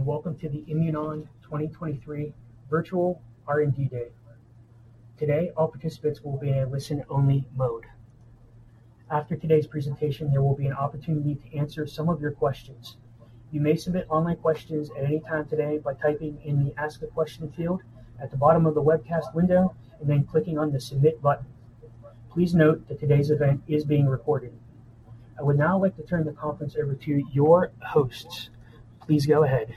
Welcome to the Imunon 2023 Virtual R&D Day. Today, all participants will be in a listen-only mode. After today's presentation, there will be an opportunity to answer some of your questions. You may submit online questions at any time today by typing in the Ask a Question field at the bottom of the webcast window and then clicking on the Submit button. Please note that today's event is being recorded. I would now like to turn the conference over to your hosts. Please go ahead.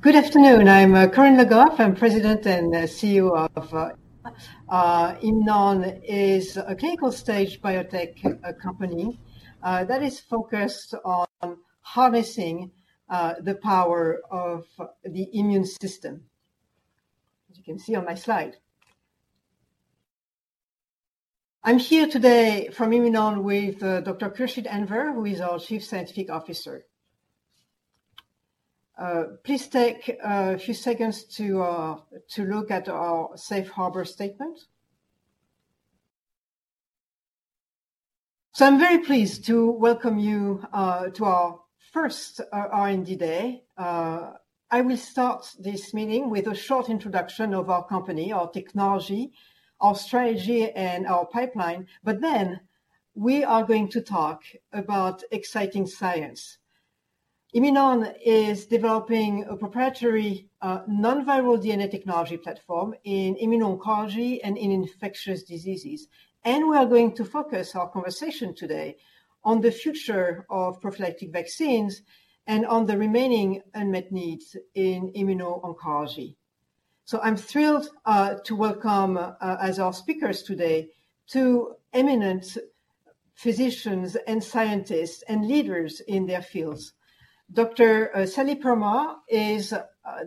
Good afternoon. I'm Corinne Le Goff. I'm President and CEO of Imunon, a clinical-stage biotech company that is focused on harnessing the power of the immune system, as you can see on my slide. I'm here today from Imunon with Dr. Khursheed Anwer, who is our Chief Scientific Officer. Please take a few seconds to look at our safe harbor statement. So I'm very pleased to welcome you to our first R&D Day. I will start this meeting with a short introduction of our company, our technology, our strategy, and our pipeline, but then we are going to talk about exciting science. Imunon is developing a proprietary non-viral DNA technology platform in immuno-oncology and in infectious diseases. We are going to focus our conversation today on the future of prophylactic vaccines and on the remaining unmet needs in immuno-oncology. So I'm thrilled to welcome as our speakers today, two eminent physicians and scientists and leaders in their fields. Dr. Sallie Permar is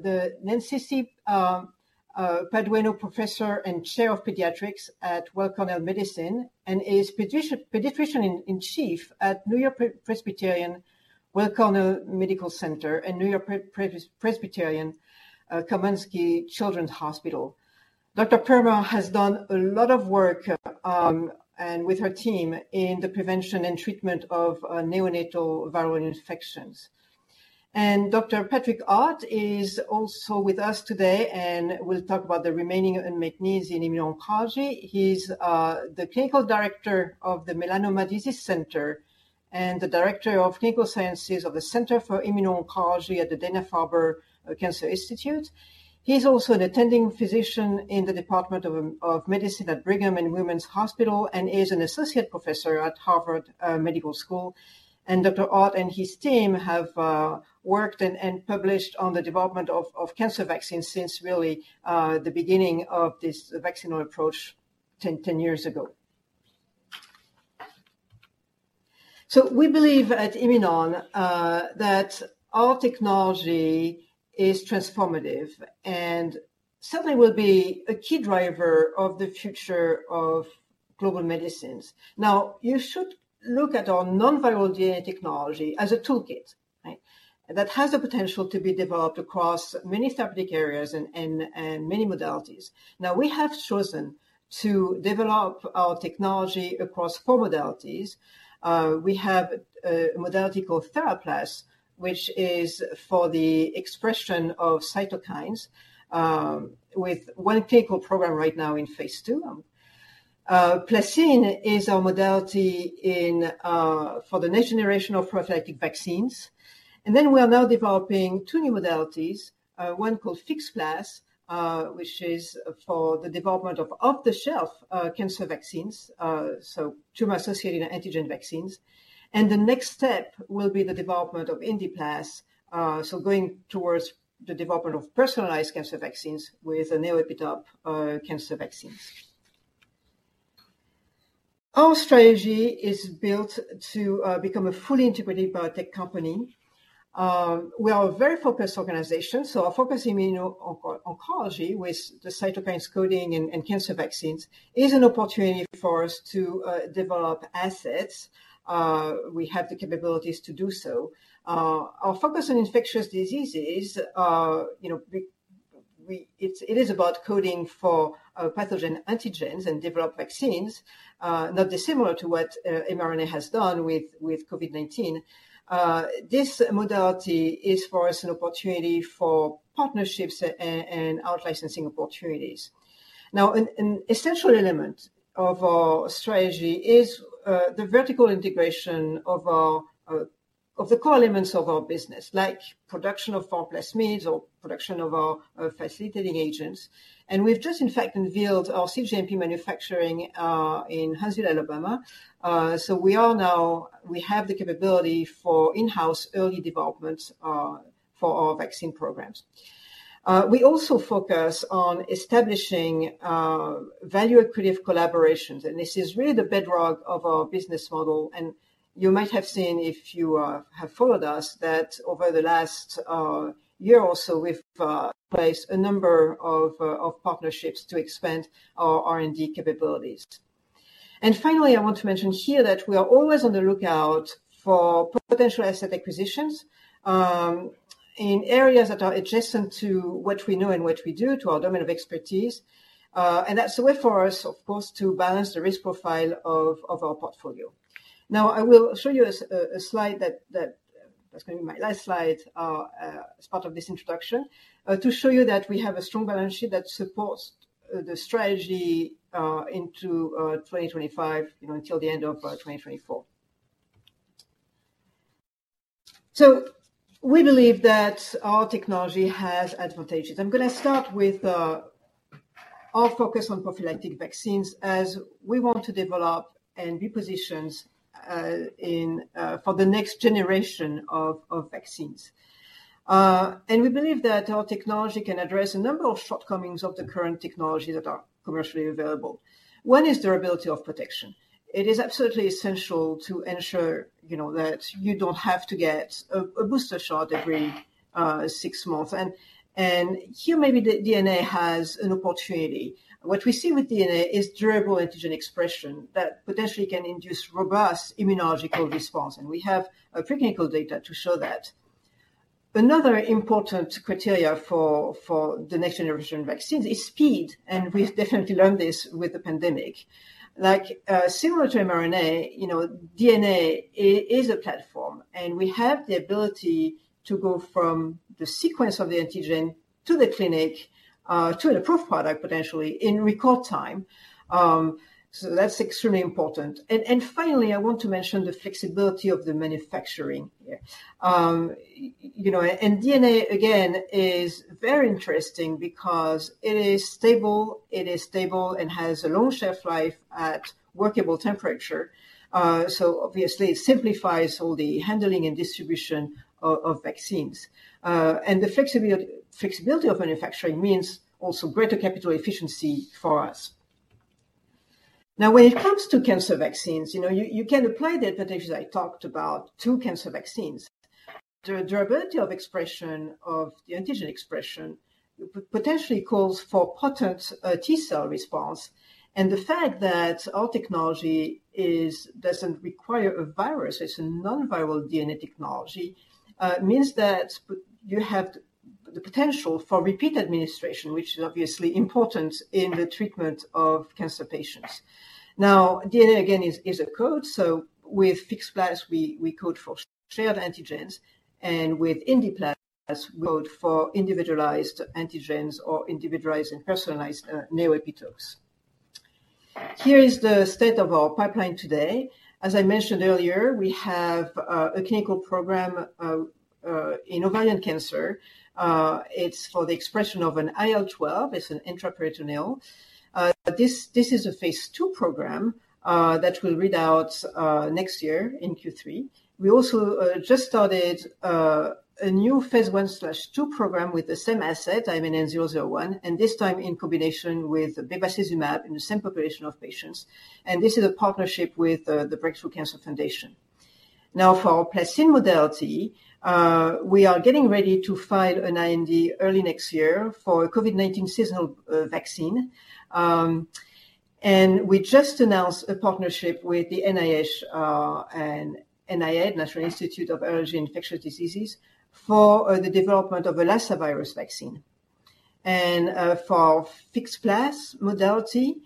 the Nancy C. Paduano Professor and Chair of Pediatrics at Weill Cornell Medicine, and is pediatrician in chief at NewYork-Presbyterian/Weill Cornell Medical Center and NewYork-Presbyterian Komansky Children's Hospital. Dr. Permar has done a lot of work and with her team in the prevention and treatment of neonatal viral infections. And Dr. Patrick Ott is also with us today, and will talk about the remaining unmet needs in immuno-oncology. He's the Clinical Director of the Melanoma Disease Center and the Director of Clinical Sciences of the Center for Immuno-Oncology at the Dana-Farber Cancer Institute. He's also an Attending Physician in the Department of Medicine at Brigham and Women's Hospital and is an Associate Professor at Harvard Medical School. And Dr. Ott and his team have worked and published on the development of cancer vaccines since really the beginning of this vaccinal approach 10 years ago. So we believe at Imunon that our technology is transformative and certainly will be a key driver of the future of global medicines. Now, you should look at our non-viral DNA technology as a toolkit, right? That has the potential to be developed across many therapeutic areas and many modalities. Now, we have chosen to develop our technology across four modalities. We have a modality called TheraPlas, which is for the expression of cytokines, with 1 clinical program right now in phase II. PlaCCine is our modality in, for the next generation of prophylactic vaccines. And then we are now developing 2 new modalities, one called FixPlas, which is for the development of off-the-shelf, cancer vaccines, so tumor-associated antigen vaccines. And the next step will be the development of IndiPlas, so going towards the development of personalized cancer vaccines with a neo-epitope, cancer vaccines. Our strategy is built to, become a fully integrated biotech company. We are a very focused organization, so our focus immuno-oncology with the cytokines coding and, and cancer vaccines, is an opportunity for us to, develop assets. We have the capabilities to do so. Our focus on infectious diseases, you know, we—it's, it is about coding for pathogen antigens and develop vaccines, not dissimilar to what mRNA has done with, with COVID-19. This modality is for us an opportunity for partnerships and, and out-licensing opportunities. Now, an essential element of our strategy is the vertical integration of our, of the core elements of our business, like production of our plasmids or production of our facilitating agents. And we've just, in fact, unveiled our cGMP manufacturing in Huntsville, Alabama. So we are now. We have the capability for in-house early development for our vaccine programs. We also focus on establishing value accretive collaborations, and this is really the bedrock of our business model. You might have seen, if you have followed us, that over the last year or so, we've placed a number of partnerships to expand our R&D capabilities. Finally, I want to mention here that we are always on the lookout for potential asset acquisitions in areas that are adjacent to what we know and what we do, to our domain of expertise. That's a way for us, of course, to balance the risk profile of our portfolio. Now, I will show you a slide that that's going to be my last slide as part of this introduction to show you that we have a strong balance sheet that supports the strategy into 2025, you know, until the end of 2024. So we believe that our technology has advantages. I'm gonna start with our focus on prophylactic vaccines, as we want to develop and be positioned in for the next generation of vaccines. And we believe that our technology can address a number of shortcomings of the current technologies that are commercially available. One is durability of protection. It is absolutely essential to ensure, you know, that you don't have to get a booster shot every six months. And here, maybe the DNA has an opportunity. What we see with DNA is durable antigen expression that potentially can induce robust immunological response, and we have a preclinical data to show that. Another important criteria for the next generation of vaccines is speed, and we've definitely learned this with the pandemic. Like, similar to mRNA, you know, DNA is a platform, and we have the ability to go from the sequence of the antigen to the clinic, to an approved product, potentially, in record time. So that's extremely important. And finally, I want to mention the flexibility of the manufacturing here. You know, and DNA, again, is very interesting because it is stable. It is stable and has a long shelf life at workable temperature. So obviously, it simplifies all the handling and distribution of vaccines. And the flexibility of manufacturing means also greater capital efficiency for us. Now, when it comes to cancer vaccines, you know, you, you can apply the advantages I talked about to cancer vaccines. The durability of expression, of the antigen expression, potentially calls for potent, T cell response, and the fact that our technology doesn't require a virus, it's a non-viral DNA technology, means that you have the potential for repeat administration, which is obviously important in the treatment of cancer patients. Now, DNA, again, is a code, so with FixPlas, we code for shared antigens, and with IndiPlas, code for individualized antigens or individualized and personalized, neoepitopes. Here is the state of our pipeline today. As I mentioned earlier, we have a clinical program in ovarian cancer. It's for the expression of an IL-12. It's an intraperitoneal. This is a phase II program that will read out next year in third quarter. We also just started a new phase 1/2 program with the same asset, IMNN-001, and this time in combination with bevacizumab in the same population of patients. This is a partnership with the Break Through Cancer Foundation. Now, for our PlaCCine modality, we are getting ready to file an IND early next year for a COVID-19 seasonal vaccine. And we just announced a partnership with the NIH and NIAID, National Institute of Allergy and Infectious Diseases, for the development of a Lassa virus vaccine. And for FixPlas modality,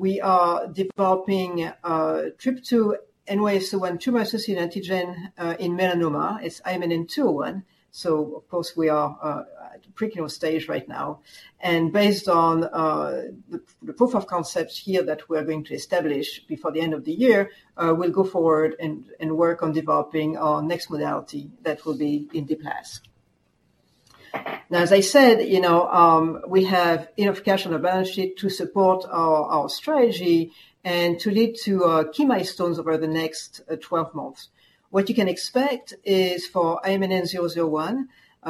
we are developing TRP2/NY-ESO-1 tumor-associated antigen in melanoma. It's IMNN-201, so of course, we are at the preclinical stage right now. Based on the proof of concepts here that we are going to establish before the end of the year, we'll go forward and work on developing our next modality that will be IndiPlas. Now, as I said, you know, we have enough cash on the balance sheet to support our strategy and to lead to key milestones over the next 12 months. What you can expect is for IMNN-001,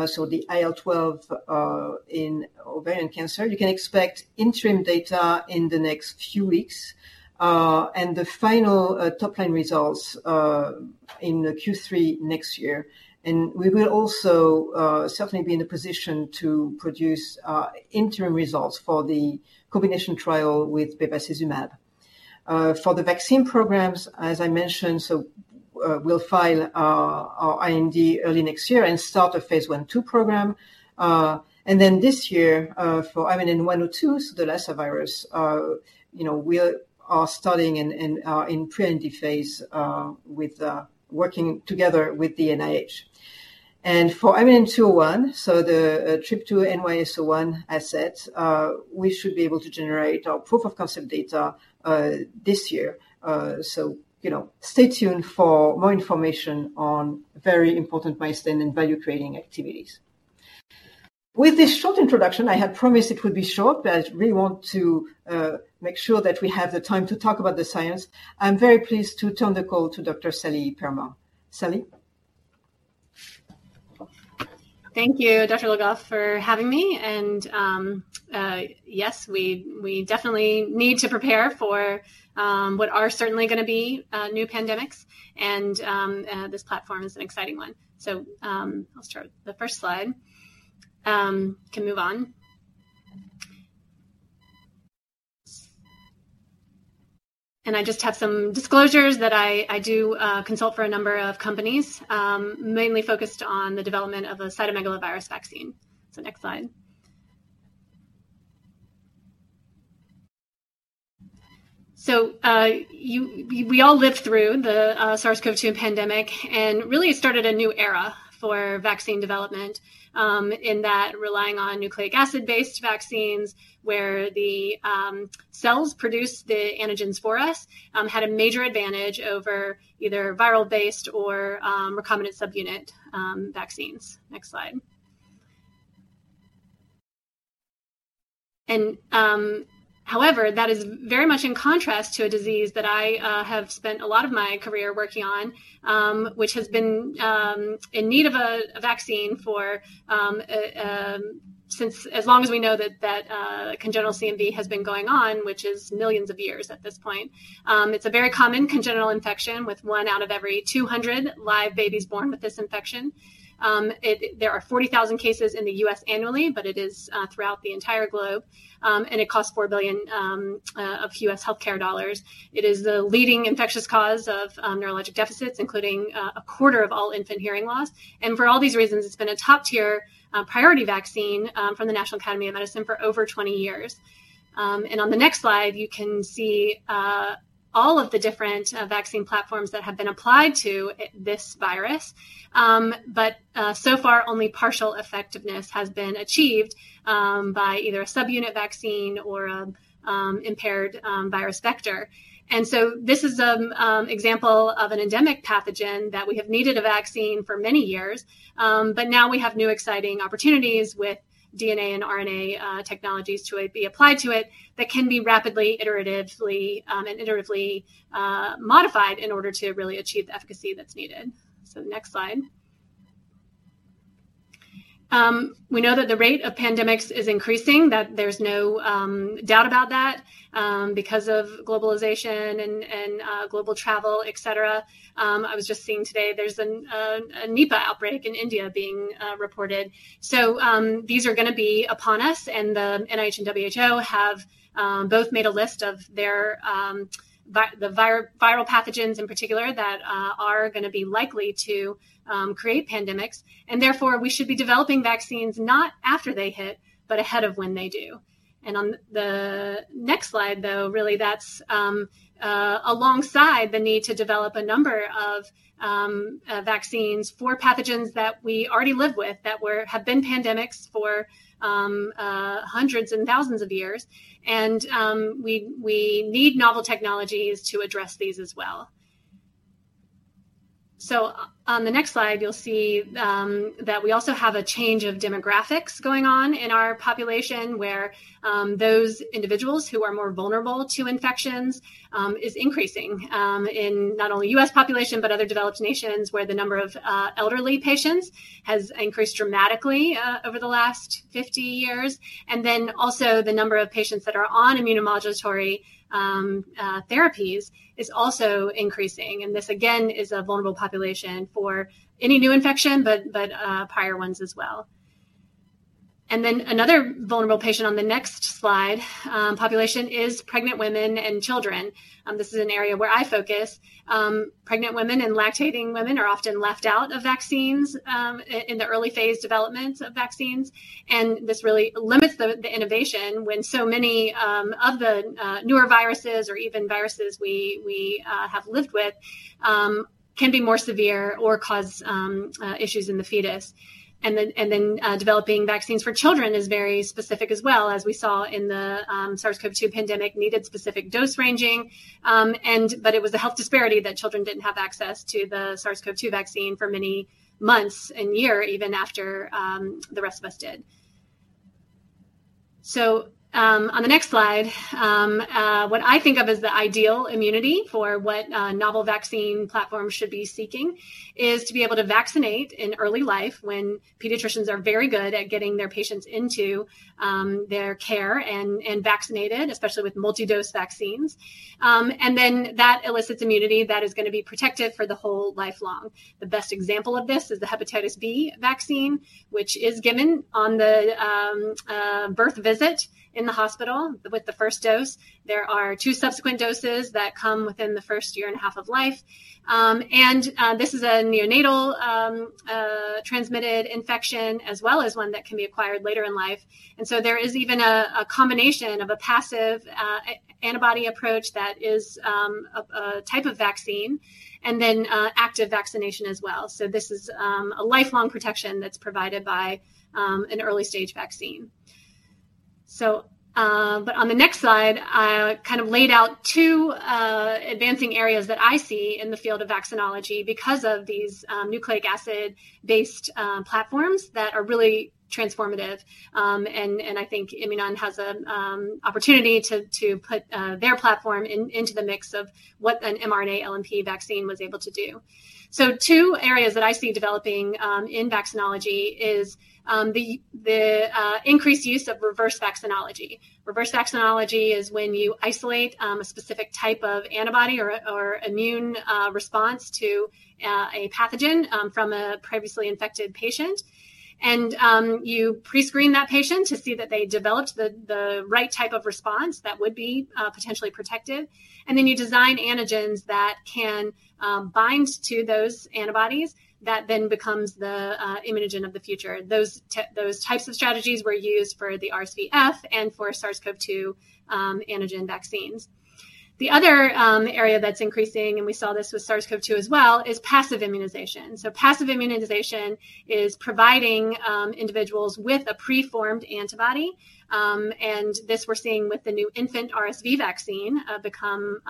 so the IL-12 in ovarian cancer, you can expect interim data in the next few weeks, and the final top-line results in the third quarter next year. And we will also certainly be in a position to produce interim results for the combination trial with bevacizumab. For the vaccine programs, as I mentioned, we'll file our IND early next year and start a phase 1/2 program. And then this year, for IMNN-102, so the Lassa virus, you know, we are starting in pre-IND phase, with working together with the NIH. And for IMNN-201, so the TRP2/NY-ESO-1 asset, we should be able to generate our proof of concept data this year. So, you know, stay tuned for more information on very important milestone and value-creating activities. With this short introduction, I had promised it would be short, but I really want to make sure that we have the time to talk about the science. I'm very pleased to turn the call to Dr. Sallie Permar. Sally? Thank you, Dr. Le Goff, for having me. And yes, we definitely need to prepare for what are certainly gonna be new pandemics, and this platform is an exciting one. So, I'll start. The first slide can move on. And I just have some disclosures that I do consult for a number of companies, mainly focused on the development of a cytomegalovirus vaccine. So next slide. So, we all lived through the SARS-CoV-2 pandemic, and really it started a new era for vaccine development in that relying on nucleic acid-based vaccines, where the cells produce the antigens for us had a major advantage over either viral-based or recombinant subunit vaccines. Next slide. However, that is very much in contrast to a disease that I have spent a lot of my career working on, which has been in need of a vaccine for since as long as we know that congenital CMV has been going on, which is millions of years at this point. It's a very common congenital infection, with 1 out of every 200 live babies born with this infection. It, there are 40,000 cases in the US annually, but it is throughout the entire globe, and it costs $4 billion of US healthcare dollars. It is the leading infectious cause of neurologic deficits, including a quarter of all infant hearing loss. For all these reasons, it's been a top-tier priority vaccine from the National Academy of Medicine for over 20 years. On the next slide, you can see all of the different vaccine platforms that have been applied to this virus. So far, only partial effectiveness has been achieved by either a subunit vaccine or an impaired virus vector. This is an example of an endemic pathogen that we have needed a vaccine for many years, but now we have new, exciting opportunities with DNA and RNA technologies to it be applied to it, that can be rapidly, iteratively, and iteratively, modified in order to really achieve the efficacy that's needed. Next slide. We know that the rate of pandemics is increasing, that there's no doubt about that, because of globalization and global travel, et cetera. I was just seeing today there's a Nipah outbreak in India being reported. So, these are gonna be upon us, and the NIH and WHO have both made a list of their viral pathogens in particular, that are gonna be likely to create pandemics, and therefore, we should be developing vaccines not after they hit, but ahead of when they do. And on the next slide, though, really that's alongside the need to develop a number of vaccines for pathogens that we already live with, that have been pandemics for hundreds and thousands of years and we need novel technologies to address these as well. So on the next slide, you'll see that we also have a change of demographics going on in our population, where those individuals who are more vulnerable to infections is increasing in not only US population, but other developed nations, where the number of elderly patients has increased dramatically over the last 50 years. And then also, the number of patients that are on immunomodulatory therapies is also increasing, and this again is a vulnerable population for any new infection, but prior ones as well. Another vulnerable patient population on the next slide is pregnant women and children. This is an area where I focus. Pregnant women and lactating women are often left out of vaccines in the early phase developments of vaccines, and this really limits the innovation when so many of the newer viruses or even viruses we have lived with can be more severe or cause issues in the fetus. Developing vaccines for children is very specific as well, as we saw in the SARS-CoV-2 pandemic, needed specific dose ranging. But it was a health disparity that children didn't have access to the SARS-CoV-2 vaccine for many months and year, even after the rest of us did. So, on the next slide, what I think of as the ideal immunity for novel vaccine platforms should be seeking is to be able to vaccinate in early life, when pediatricians are very good at getting their patients into their care and, and vaccinated, especially with multi-dose vaccines. And then that elicits immunity that is gonna be protective for the whole lifelong. The best example of this is the hepatitis B vaccine, which is given on the birth visit in the hospital with the first dose. There are two subsequent doses that come within the first year and a half of life. And this is a neonatal transmitted infection, as well as one that can be acquired later in life. So there is even a combination of a passive antibody approach that is a type of vaccine, and then active vaccination as well. So this is a lifelong protection that's provided by an early-stage vaccine. But on the next slide, I kind of laid out two advancing areas that I see in the field of vaccinology because of these nucleic acid-based platforms that are really transformative. And I think Imunon has an opportunity to put their platform into the mix of what an mRNA-LNP vaccine was able to do. So two areas that I see developing in vaccinology is the increased use of reverse vaccinology. Reverse vaccinology is when you isolate a specific type of antibody or a or immune response to a pathogen from a previously infected patient. You pre-screen that patient to see that they developed the right type of response that would be potentially protective. Then you design antigens that can bind to those antibodies, that then becomes the immunogen of the future. Those types of strategies were used for the RSV F and for SARS-CoV-2 antigen vaccines. The other area that's increasing, and we saw this with SARS-CoV-2 as well, is passive immunization. Passive immunization is providing individuals with a preformed antibody, and this we're seeing with the new infant RSV vaccine becoming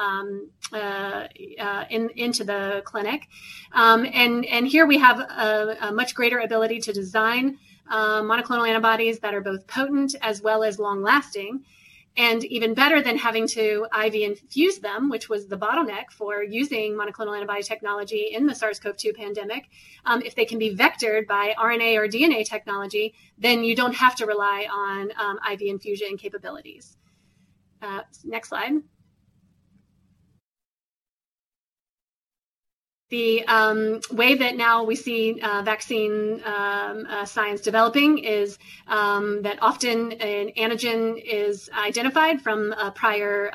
into the clinic. And, and here we have a much greater ability to design monoclonal antibodies that are both potent as well as long-lasting. And even better than having to IV infuse them, which was the bottleneck for using monoclonal antibody technology in the SARS-CoV-2 pandemic, if they can be vectored by RNA or DNA technology, then you don't have to rely on IV infusion capabilities. Next slide. The way that now we see vaccine science developing is that often an antigen is identified from a prior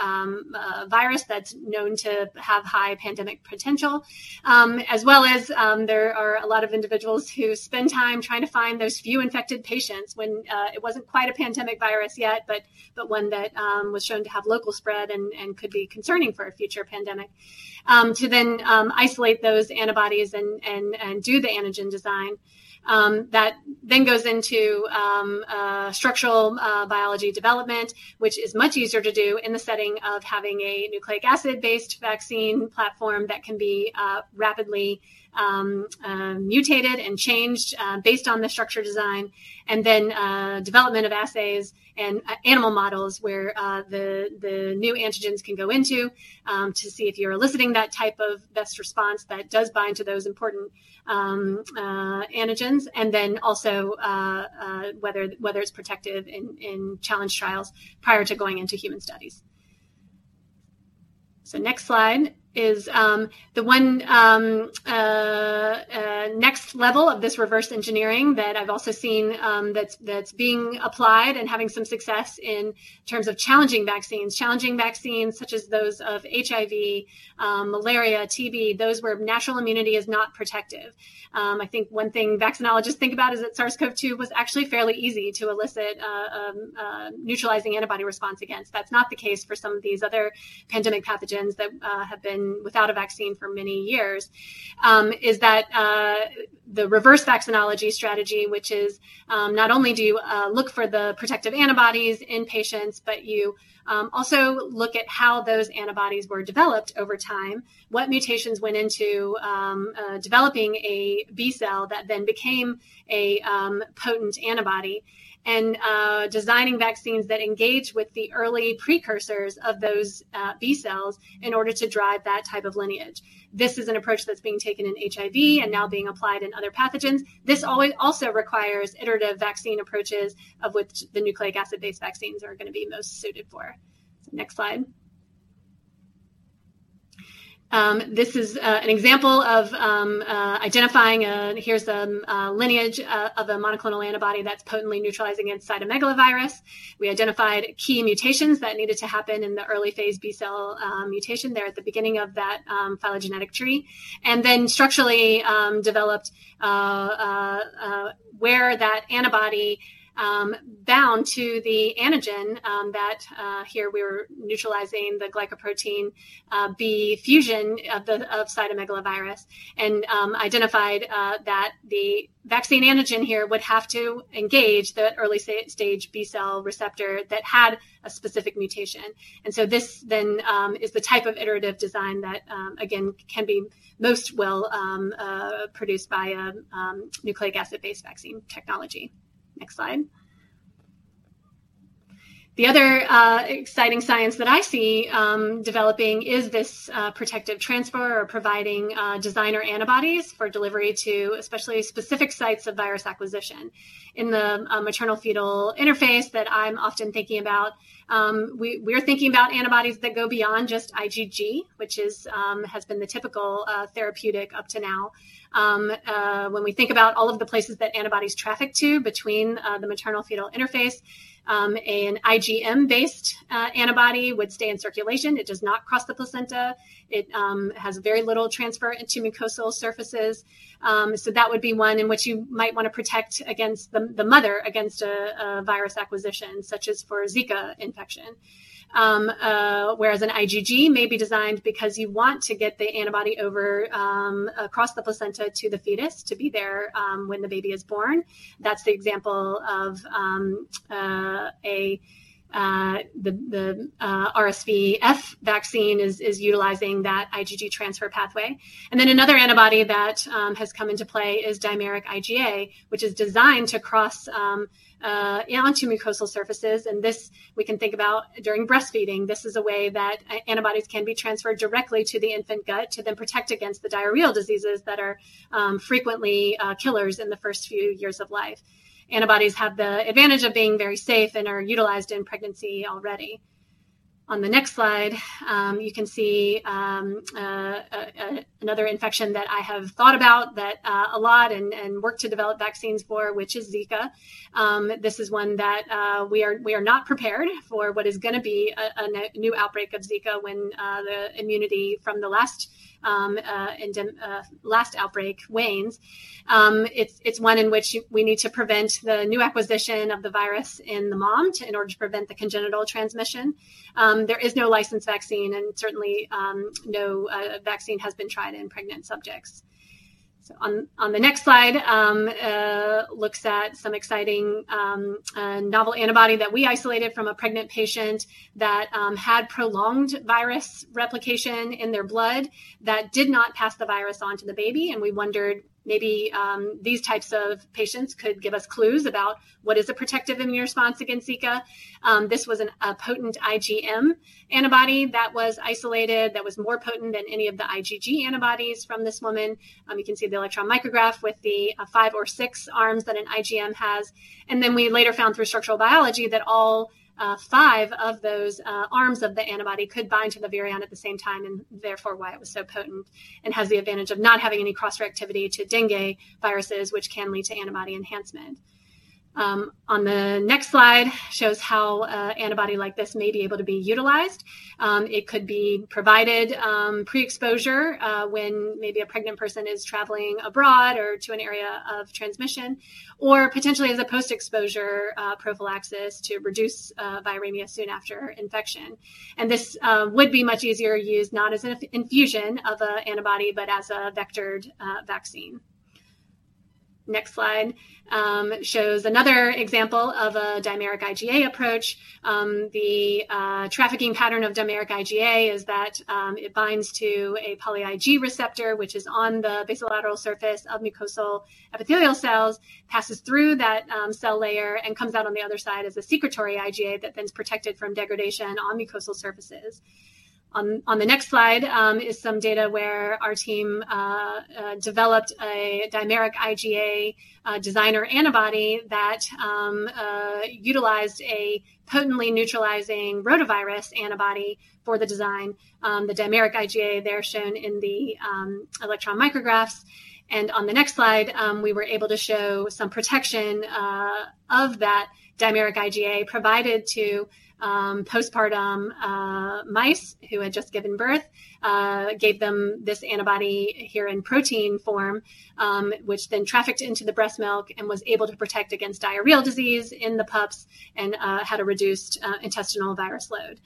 virus that's known to have high pandemic potential. As well as, there are a lot of individuals who spend time trying to find those few infected patients when it wasn't quite a pandemic virus yet, but one that was shown to have local spread and could be concerning for a future pandemic. To then isolate those antibodies and do the antigen design, that then goes into structural biology development, which is much easier to do in the setting of having a nucleic acid-based vaccine platform that can be rapidly mutated and changed based on the structure design, and then development of assays and animal models where the new antigens can go into to see if you're eliciting that type of best response that does bind to those important antigens, and then also whether it's protective in challenge trials prior to going into human studies. So next slide is the one next level of this reverse engineering that I've also seen, that's being applied and having some success in terms of challenging vaccines. Challenging vaccines such as those of HIV, malaria, TB, those where natural immunity is not protective. I think one thing vaccinologists think about is that SARS-CoV-2 was actually fairly easy to elicit neutralizing antibody response against. That's not the case for some of these other pandemic pathogens that have been without a vaccine for many years. Is that the reverse vaccinology strategy, which is not only do you look for the protective antibodies in patients, but you also look at how those antibodies were developed over time, what mutations went into developing a B cell that then became a potent antibody, and designing vaccines that engage with the early precursors of those B cells in order to drive that type of lineage. This is an approach that's being taken in HIV and now being applied in other pathogens. This also requires iterative vaccine approaches, of which the nucleic acid-based vaccines are going to be most suited for. So next slide. This is an example of identifying a... here's the lineage of a monoclonal antibody that's potently neutralizing against cytomegalovirus. We identified key mutations that needed to happen in the early phase B cell, mutation there at the beginning of that phylogenetic tree, and then structurally developed where that antibody bound to the antigen, that here we were neutralizing the glycoprotein B fusion of cytomegalovirus, and identified that the vaccine antigen here would have to engage the early stage B cell receptor that had a specific mutation. So this then is the type of iterative design that again can be most well produced by a nucleic acid-based vaccine technology. Next slide. The other exciting science that I see developing is this protective transfer or providing designer antibodies for delivery to especially specific sites of virus acquisition. In the maternal-fetal interface that I'm often thinking about, we're thinking about antibodies that go beyond just IgG, which has been the typical therapeutic up to now. When we think about all of the places that antibodies traffic to between the maternal-fetal interface, an IgM-based antibody would stay in circulation. It does not cross the placenta. It has very little transfer into mucosal surfaces. So that would be one in which you might want to protect the mother against a virus acquisition, such as for Zika infection. Whereas an IgG may be designed because you want to get the antibody over across the placenta to the fetus to be there when the baby is born. That's the example of the RSV F vaccine is utilizing that IgG transfer pathway. And then another antibody that has come into play is dimeric IgA, which is designed to cross onto mucosal surfaces, and we can think about during breastfeeding, this is a way that antibodies can be transferred directly to the infant gut, to then protect against the diarrheal diseases that are frequently killers in the first few years of life. Antibodies have the advantage of being very safe and are utilized in pregnancy already. On the next slide, you can see another infection that I have thought about that a lot and worked to develop vaccines for, which is Zika. This is one that we are not prepared for what is gonna be a new outbreak of Zika when the immunity from the last outbreak wanes. It's one in which we need to prevent the new acquisition of the virus in the mom in order to prevent the congenital transmission. There is no licensed vaccine, and certainly no vaccine has been tried in pregnant subjects. So, on the next slide, looks at some exciting, novel antibody that we isolated from a pregnant patient that had prolonged virus replication in their blood, that did not pass the virus on to the baby. And we wondered, maybe, these types of patients could give us clues about what is a protective immune response against Zika. This was a potent IgM antibody that was isolated, that was more potent than any of the IgG antibodies from this woman. You can see the electron micrograph with the, five or six arms that an IgM has. And then we later found through structural biology that all five of those arms of the antibody could bind to the virion at the same time, and therefore, why it was so potent, and has the advantage of not having any cross-reactivity to dengue viruses, which can lead to antibody enhancement. On the next slide, shows how antibody like this may be able to be utilized. It could be provided pre-exposure when maybe a pregnant person is traveling abroad or to an area of transmission, or potentially as a post-exposure prophylaxis to reduce viremia soon after infection. And this would be much easier to use, not as an infusion of a antibody, but as a vectored vaccine. Next slide, shows another example of a dimeric IgA approach. The trafficking pattern of dimeric IgA is that it binds to a poly Ig receptor, which is on the basolateral surface of mucosal epithelial cells, passes through that cell layer, and comes out on the other side as a secretory IgA that then is protected from degradation on mucosal surfaces. On the next slide is some data where our team developed a dimeric IgA designer antibody that utilized a potently neutralizing rotavirus antibody for the design. The dimeric IgA, they're shown in the electron micrographs. On the next slide, we were able to show some protection of that dimeric IgA provided to postpartum mice who had just given birth. Gave them this antibody here in protein form, which then trafficked into the breast milk and was able to protect against diarrheal disease in the pups and had a reduced intestinal virus load.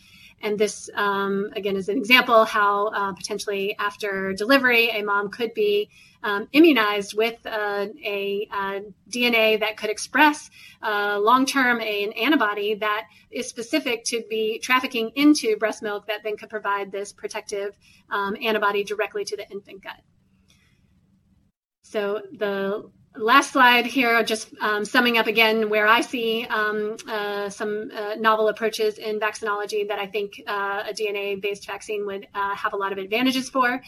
And this, again, is an example how potentially after delivery, a mom could be immunized with a DNA that could express long-term an antibody that is specific to be trafficking into breast milk, that then could provide this protective antibody directly to the infant gut. So the last slide here, just summing up again where I see some novel approaches in vaccinology that I think a DNA-based vaccine would have a lot of advantages for.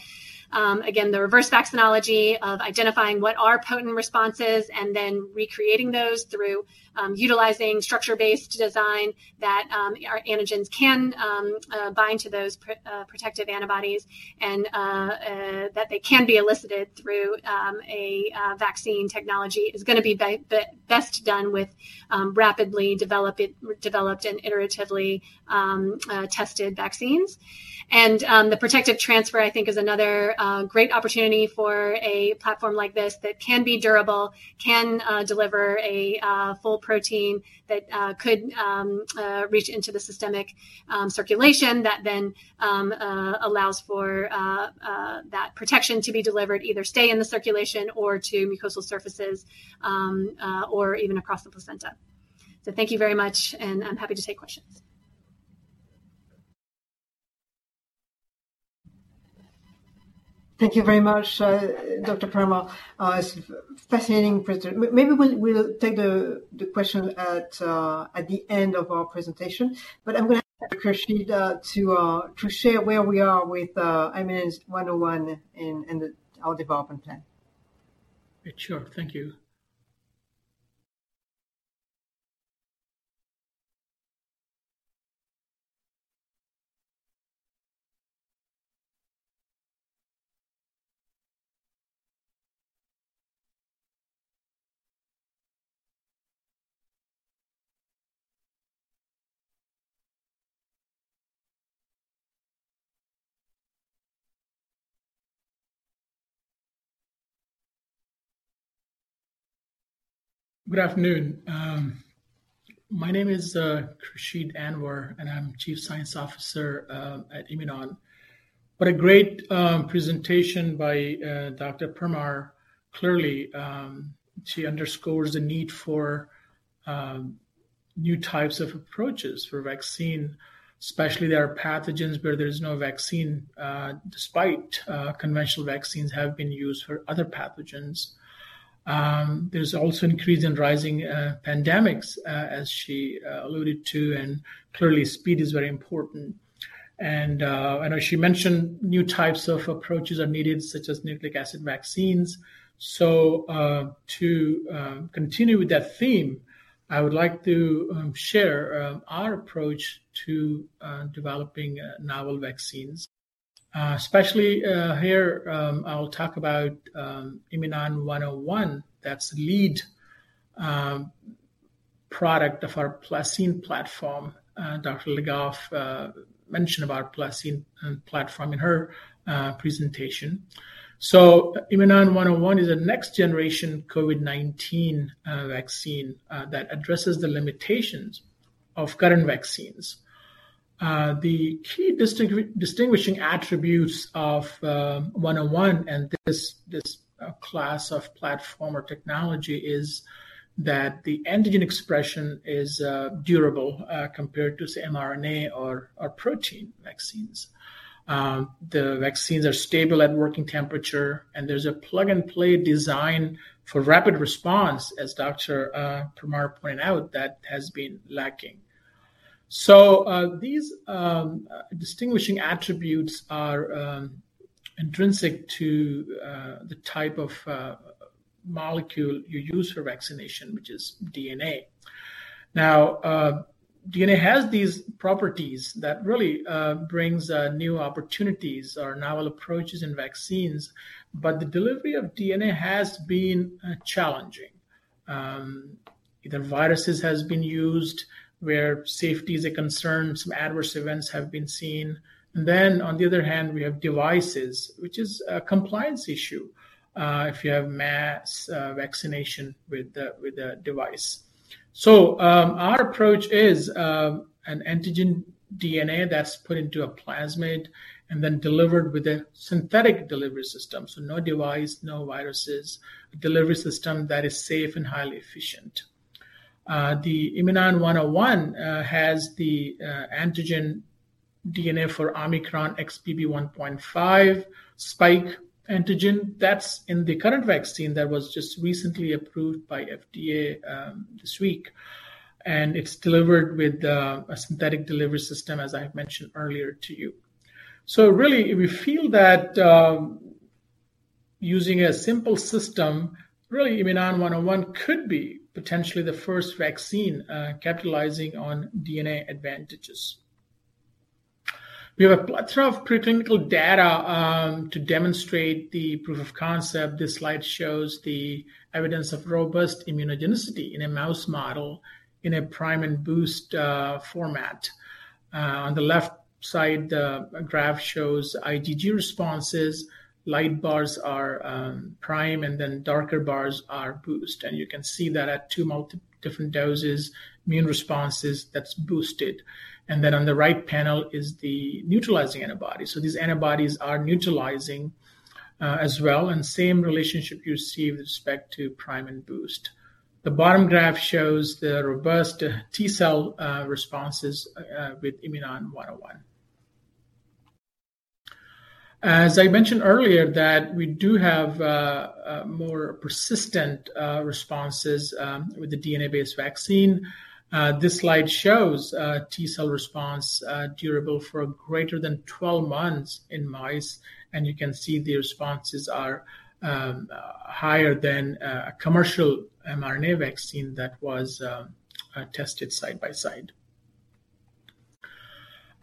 Again, the reverse vaccinology of identifying what are potent responses and then recreating those through utilizing structure-based design that our antigens can bind to those protective antibodies and that they can be elicited through a vaccine technology is gonna be best done with rapidly developed and iteratively tested vaccines. And the protective transfer, I think, is another great opportunity for a platform like this that can be durable, can deliver a full protein that could reach into the systemic circulation, that then allows for that protection to be delivered, either stay in the circulation or to mucosal surfaces or even across the placenta. So thank you very much, and I'm happy to take questions. Thank you very much, Dr. Permar. It's a fascinating presentation. Maybe we'll take the question at the end of our presentation. But I'm gonna ask Khursheed to share where we are with IMNN-001 and our development plan. Sure. Thank you. Good afternoon. My name is Khursheed Anwer, and I'm Chief Science Officer at Imunon. What a great presentation by Dr. Permar. Clearly, she underscores the need for new types of approaches for vaccine, especially there are pathogens where there's no vaccine, despite conventional vaccines have been used for other pathogens. There's also increase in rising pandemics, as she alluded to, and clearly speed is very important. I know she mentioned new types of approaches are needed, such as nucleic acid vaccines. So, to continue with that theme, I would like to share our approach to developing novel vaccines. Especially, here, I'll talk about IMNN-101. That's the lead product of our PlaCCine platform. Dr. Le Goff mentioned about PlaCCine platform in her presentation. So IMNN-101 is a next-generation COVID-19 vaccine that addresses the limitations of current vaccines. The key distinguishing attributes of 101 and this class of platform or technology is that the antigen expression is durable compared to, say, mRNA or protein vaccines. The vaccines are stable at working temperature, and there's a plug-and-play design for rapid response, as Dr. Permar pointed out, that has been lacking. So, these distinguishing attributes are intrinsic to the type of molecule you use for vaccination, which is DNA. Now, DNA has these properties that really brings new opportunities or novel approaches in vaccines, but the delivery of DNA has been challenging. Either viruses has been used, where safety is a concern, some adverse events have been seen. Then, on the other hand, we have devices, which is a compliance issue if you have mass vaccination with a device. So, our approach is an antigen DNA that's put into a plasmid and then delivered with a synthetic delivery system. So no device, no viruses, a delivery system that is safe and highly efficient. The IMNN-101 has the antigen DNA for Omicron XBB.1.5 spike antigen. That's in the current vaccine that was just recently approved by FDA this week, and it's delivered with a synthetic delivery system, as I mentioned earlier to you. So really, we feel that using a simple system, really, IMNN-101 could be potentially the first vaccine capitalizing on DNA advantages. We have a plethora of preclinical data to demonstrate the proof of concept. This slide shows the evidence of robust immunogenicity in a mouse model in a prime and boost format. On the left side, the graph shows IgG responses. Light bars are prime, and then darker bars are boost. You can see that at two different doses, immune responses that's boosted. Then on the right panel is the neutralizing antibody. So these antibodies are neutralizing, as well, and same relationship you see with respect to prime and boost. The bottom graph shows the robust T cell responses with IMNN-101. As I mentioned earlier, that we do have more persistent responses with the DNA-based vaccine. This slide shows T cell response durable for greater than 12 months in mice, and you can see the responses are higher than a commercial mRNA vaccine that was tested side by side.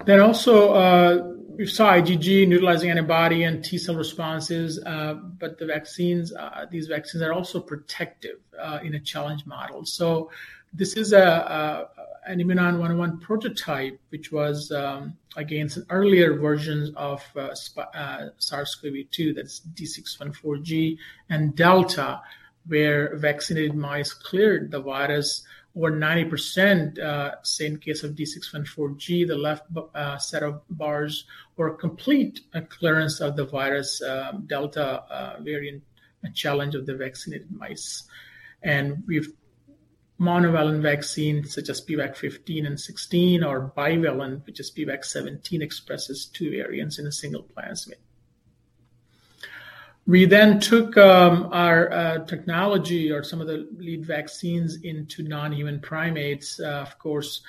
Then also we saw IgG neutralizing antibody and T cell responses, but the vaccines these vaccines are also protective in a challenge model. So this is a, an IMNN-101 prototype, which was, against an earlier version of, SP- SARS-CoV-2, that's D614G and Delta, where vaccinated mice cleared the virus were 90%, same case of D614G. The left bar, set of bars were complete, a clearance of the virus, Delta, variant, a challenge of the vaccinated mice. And we've monovalent vaccines such as pVax-15 and 16, or bivalent, which is pVax-17, expresses two variants in a single plasmid. We then took, our, technology or some of the lead vaccines into non-human primates. Of course,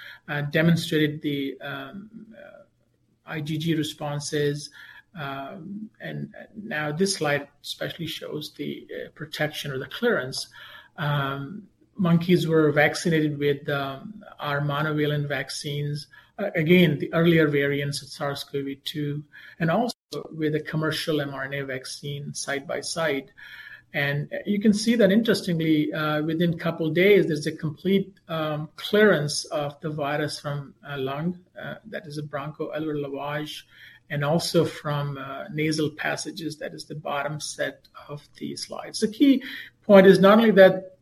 demonstrated the, IgG responses, and now this slide especially shows the, protection or the clearance. Monkeys were vaccinated with, our monovalent vaccines, again, the earlier variants of SARS-CoV-2, and also with a commercial mRNA vaccine side by side. You can see that interestingly, within a couple of days, there's a complete clearance of the virus from lung that is a bronchoalveolar lavage, and also from nasal passages, that is the bottom set of these slides. The key point is not only that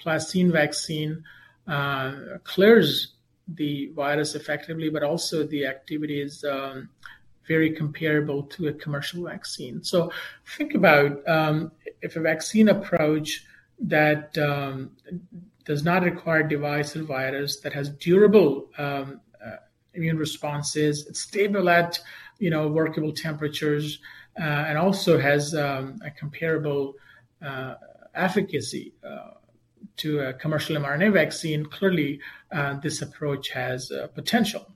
Placine vaccine clears the virus effectively, but also the activity is very comparable to a commercial vaccine. Think about if a vaccine approach that does not require device and virus, that has durable immune responses. It's stable at, you know, workable temperatures, and also has a comparable efficacy to a commercial mRNA vaccine. Clearly, this approach has potential.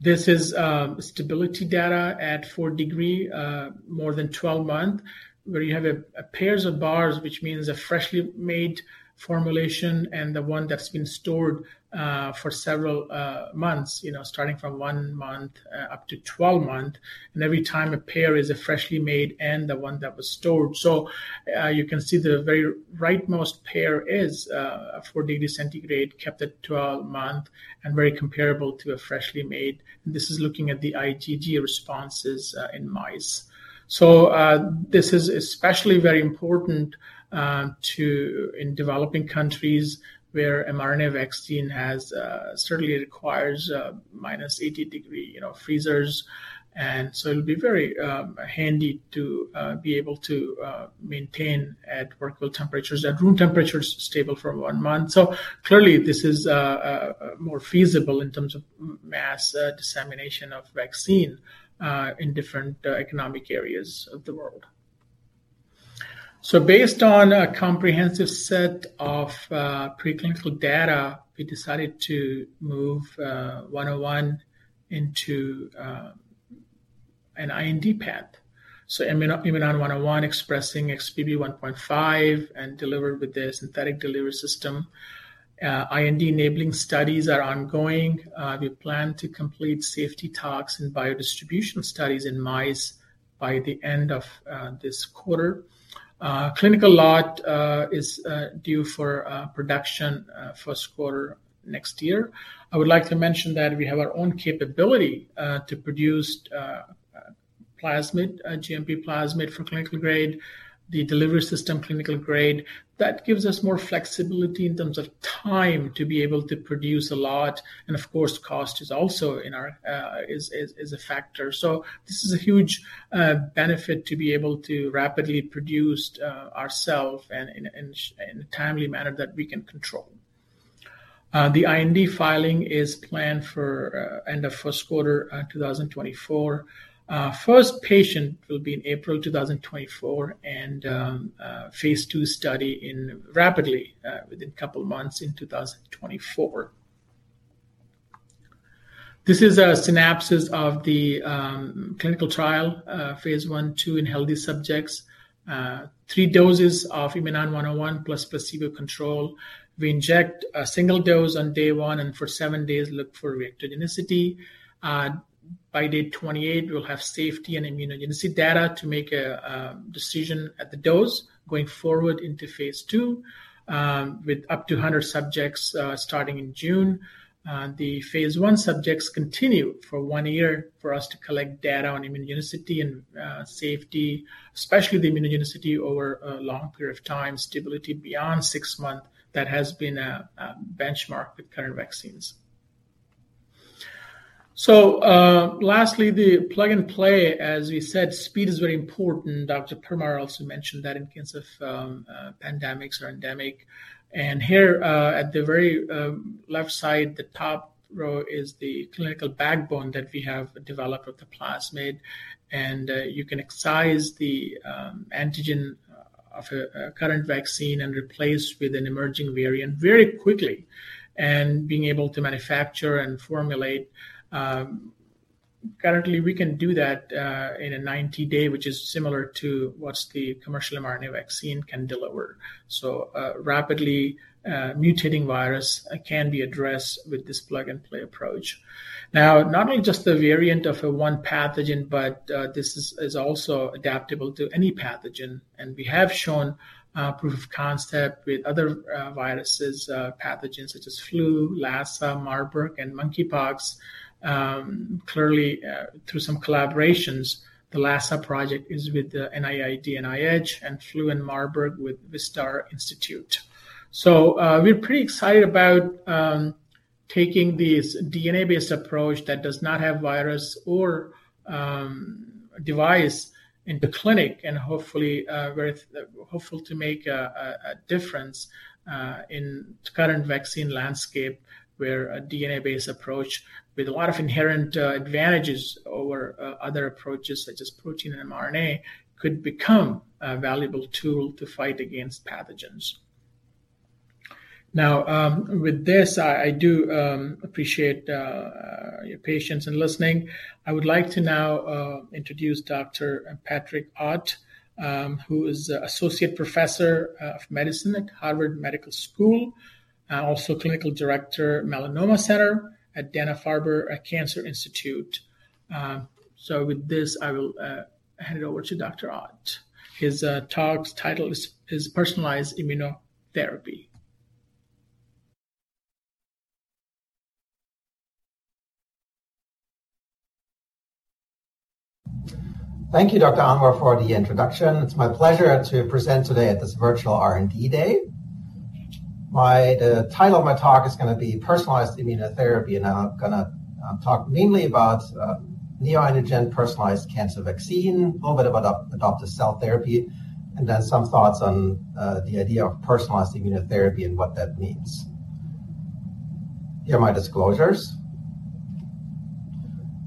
This is stability data at 4 degrees, more than 12 months, where you have pairs of bars, which means a freshly made formulation and the one that's been stored for several months, you know, starting from one month up to 12 months, and every time a pair is a freshly made and the one that was stored. So you can see the very rightmost pair is 4 degrees centigrade, kept at 12 months, and very comparable to a freshly made. This is looking at the ITG responses in mice. So this is especially very important in developing countries where mRNA vaccine has certainly requires minus 80 degrees, you know, freezers. And so it'll be very handy to be able to maintain at workable temperatures. At room temperature, it's stable for one month. So clearly, this is a more feasible in terms of mass dissemination of vaccine in different economic areas of the world. So based on a comprehensive set of preclinical data, we decided to move 101 into an IND path. So IMNN-101 expressing XBB.1.5 and delivered with a synthetic delivery system. IND-enabling studies are ongoing. We plan to complete safety tox and biodistribution studies in mice by the end of this quarter. Clinical lot is due for production first quarter next year. I would like to mention that we have our own capability to produce plasmid, a GMP plasmid for clinical grade, the delivery system, clinical grade. That gives us more flexibility in terms of time to be able to produce a lot, and of course, cost is also a factor. So this is a huge benefit to be able to rapidly produce ourselves and in a timely manner that we can control. The IND filing is planned for end of first quarter 2024. First patient will be in April 2024, and phase II study rapidly within a couple of months in 2024. This is a synopsis of the clinical trial, phase 1/2 in healthy subjects. Three doses of IMNN-101 plus placebo control. We inject a single dose on day one, and for seven days, look for reactogenicity. By day 28, we'll have safety and immunogenicity data to make a decision at the dose going forward into phase II, with up to 100 subjects, starting in June. The phase I subjects continue for one year for us to collect data on immunogenicity and safety, especially the immunogenicity over a long period of time, stability beyond six months. That has been a benchmark with current vaccines. So, lastly, the plug and play, as we said, speed is very important. Dr. Permar also mentioned that in case of pandemics or endemic. Here, at the very left side, the top row is the clinical backbone that we have developed with the plasmid, and you can excise the antigen of a current vaccine and replace with an emerging variant very quickly, and being able to manufacture and formulate. Currently, we can do that in a 90-day, which is similar to what's the commercial mRNA vaccine can deliver. So, rapidly mutating virus can be addressed with this plug-and-play approach. Now, not only just the variant of a one pathogen, but this is also adaptable to any pathogen, and we have shown proof of concept with other viruses, pathogens such as flu, Lassa, Marburg, and monkeypox. Clearly, through some collaborations, the Lassa project is with the NIAID, NIH, and flu and Marburg with Wistar Institute. So, we're pretty excited about taking this DNA-based approach that does not have virus or device in the clinic, and hopefully very hopeful to make a difference in the current vaccine landscape, where a DNA-based approach with a lot of inherent advantages over other approaches, such as protein and mRNA, could become a valuable tool to fight against pathogens. Now, with this, I do appreciate your patience in listening. I would like to now introduce Dr. Patrick Ott, who is Associate Professor of Medicine at Harvard Medical School, and also Clinical Director, Melanoma Center at Dana-Farber Cancer Institute. So with this, I will hand it over to Dr. Ott. His talk's title is Personalized Immunotherapy. Thank you, Dr. Anwer, for the introduction. It's my pleasure to present today at this virtual R&D Day. The title of my talk is gonna be Personalized Immunotherapy, and I'm gonna talk mainly about neoantigen personalized cancer vaccine, a little bit about adoptive cell therapy and then some thoughts on the idea of personalized immunotherapy and what that means. Here are my disclosures.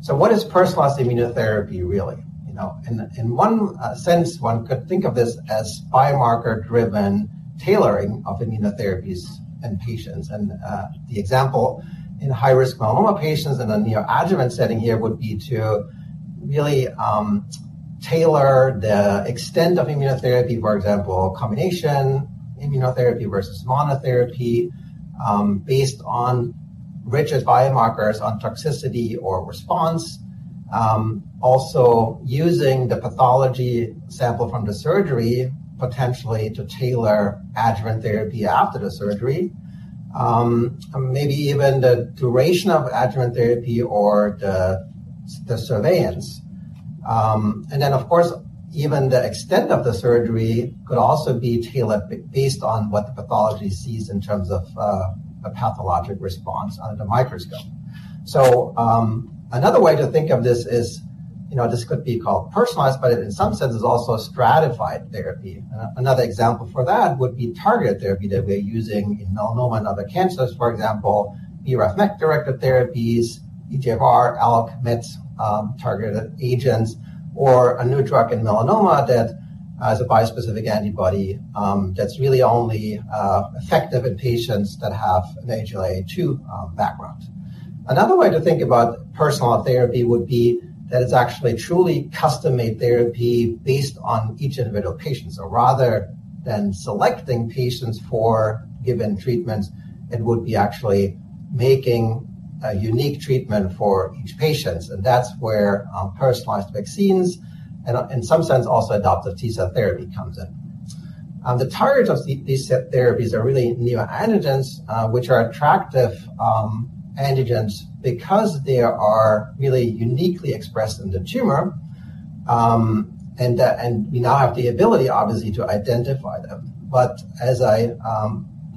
So what is personalized immunotherapy, really? You know, in one sense, one could think of this as biomarker-driven tailoring of immunotherapies in patients. The example in high-risk myeloma patients in a neoadjuvant setting here would be to really tailor the extent of immunotherapy, for example, combination immunotherapy versus monotherapy, based on richest biomarkers on toxicity or response. Also using the pathology sample from the surgery, potentially to tailor adjuvant therapy after the surgery, maybe even the duration of adjuvant therapy or the surveillance. And then, of course, even the extent of the surgery could also be tailored based on what the pathology sees in terms of a pathologic response under the microscope. So, another way to think of this is, you know, this could be called personalized, but in some sense, it's also a stratified therapy. Another example for that would be targeted therapy that we're using in melanoma and other cancers, for example, BRAF/MEK-directed therapies, EGFR, ALK, MET targeted agents, or a new drug in melanoma that has a bispecific antibody that's really only effective in patients that have an HLA-A2 background. Another way to think about personalized therapy would be that it's actually truly custom-made therapy based on each individual patient. So rather than selecting patients for given treatments, it would be actually making a unique treatment for each patient. And that's where, personalized vaccines and, in some sense, also adoptive T cell therapy comes in. The target of these therapies are really neoantigens, which are attractive antigens because they are really uniquely expressed in the tumor, and we now have the ability, obviously, to identify them. But as I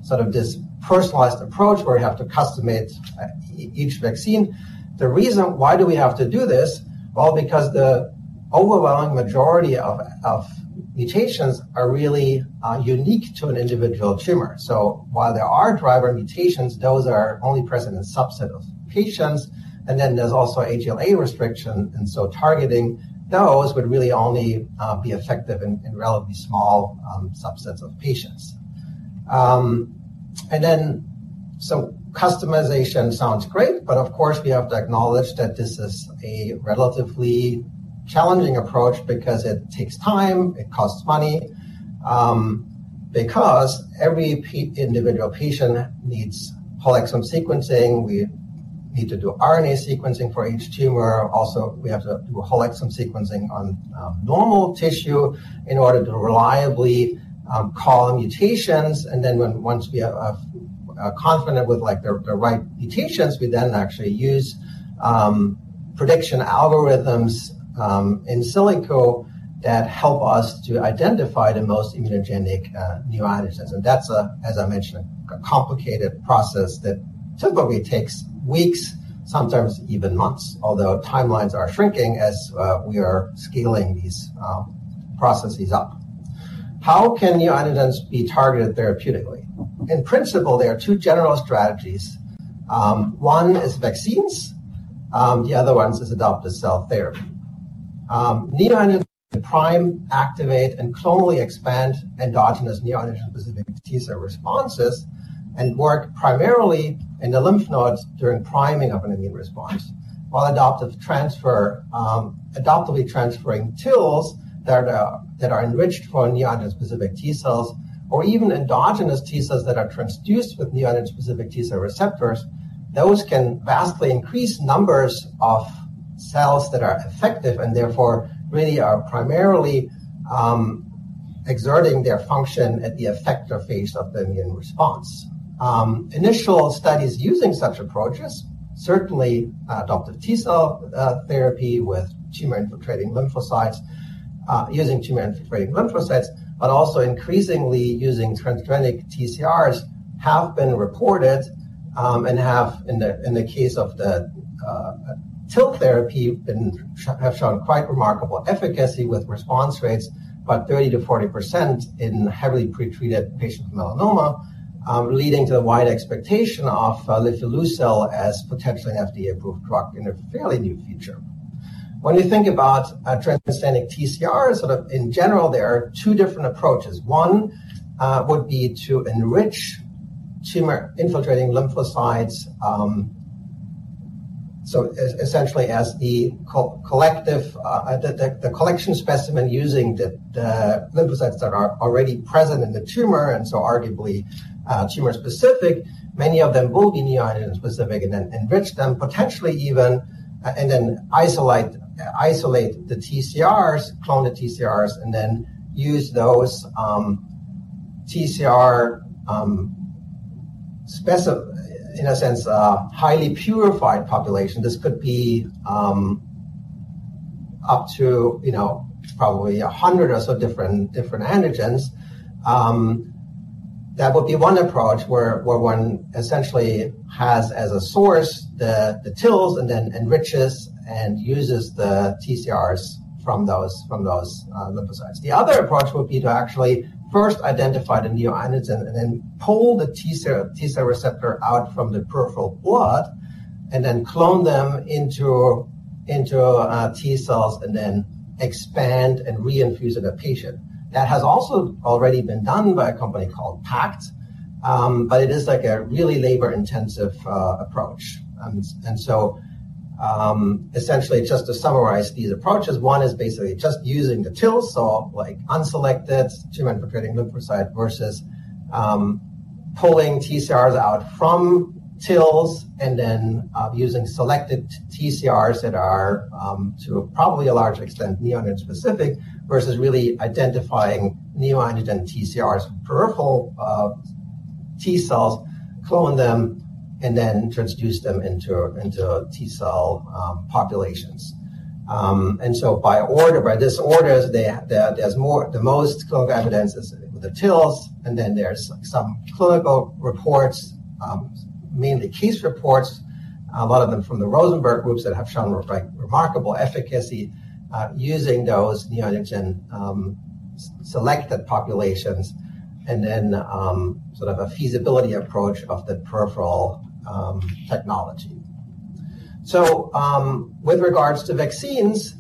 sort of this personalized approach where you have to custom-made each vaccine, the reason why do we have to do this? Well, because the overwhelming majority of mutations are really unique to an individual tumor. So while there are driver mutations, those are only present in a subset of patients, and then there's also HLA restriction, and so targeting those would really only be effective in relatively small subsets of patients. And then, so customization sounds great, but of course, we have to acknowledge that this is a relatively challenging approach because it takes time, it costs money, because every individual patient needs whole exome sequencing. We need to do RNA sequencing for each tumor. Also, we have to do whole exome sequencing on normal tissue in order to reliably call the mutations. And then once we are confident with like the right mutations, we then actually use prediction algorithms in silico that help us to identify the most immunogenic neoantigens. That's, as I mentioned, a complicated process that typically takes weeks, sometimes even months, although timelines are shrinking as we are scaling these processes up. How can neoantigens be targeted therapeutically? In principle, there are two general strategies. One is vaccines, the other one is adoptive cell therapy. Neoantigens prime, activate, and clonally expand endogenous neoantigen-specific T cell responses and work primarily in the lymph nodes during priming of an immune response, while adoptive transfer, adoptively transferring TILs that are enriched for neoantigen-specific T cells, or even endogenous T cells that are transduced with neoantigen-specific T cell receptors, those can vastly increase numbers of cells that are effective and therefore, really are primarily exerting their function at the effector phase of the immune response. Initial studies using such approaches, certainly, adoptive T cell therapy with tumor-infiltrating lymphocytes, using tumor-infiltrating lymphocytes, but also increasingly using transgenic TCRs, have been reported, and, in the case of the TIL therapy, have shown quite remarkable efficacy with response rates about 30% to 40% in heavily pretreated patients with melanoma, leading to the wide expectation of lifileucel as potentially FDA-approved drug in the fairly near future. When you think about transgenic TCR, sort of in general, there are two different approaches. One would be to enrich tumor-infiltrating lymphocytes. So essentially as the collective... the collection specimen using the lymphocytes that are already present in the tumor, and so arguably, tumor specific, many of them will be neoantigen specific and then enrich them, potentially even, and then isolate the TCRs, clone the TCRs, and then use those TCR specific in a sense, a highly purified population. This could be up to, you know, probably 100 or so different antigens. That would be one approach where one essentially has as a source the TILs and then enriches and uses the TCRs from those lymphocytes. The other approach would be to actually first identify the neoantigen and then pull the T cell receptor out from the peripheral blood and then clone them into T cells and then expand and reinfuse in a patient. That has also already been done by a company called PACT, but it is like a really labor-intensive approach. And so, essentially, just to summarize these approaches, one is basically just using the TILs, so like unselected tumor-infiltrating lymphocyte, versus pulling TCRs out from TILs and then using selected TCRs that are to probably a large extent, neoantigen-specific, versus really identifying neoantigen TCRs, peripheral T cells, cloning them, and then transduce them into T cell populations. And so by order, by this order, there, there's more—the most clinical evidence is with the TILs, and then there's some clinical reports, mainly case reports, a lot of them from the Rosenberg groups, that have shown remarkable efficacy using those neoantigen selected populations, and then sort of a feasibility approach of the peripheral technology. So, with regards to vaccines,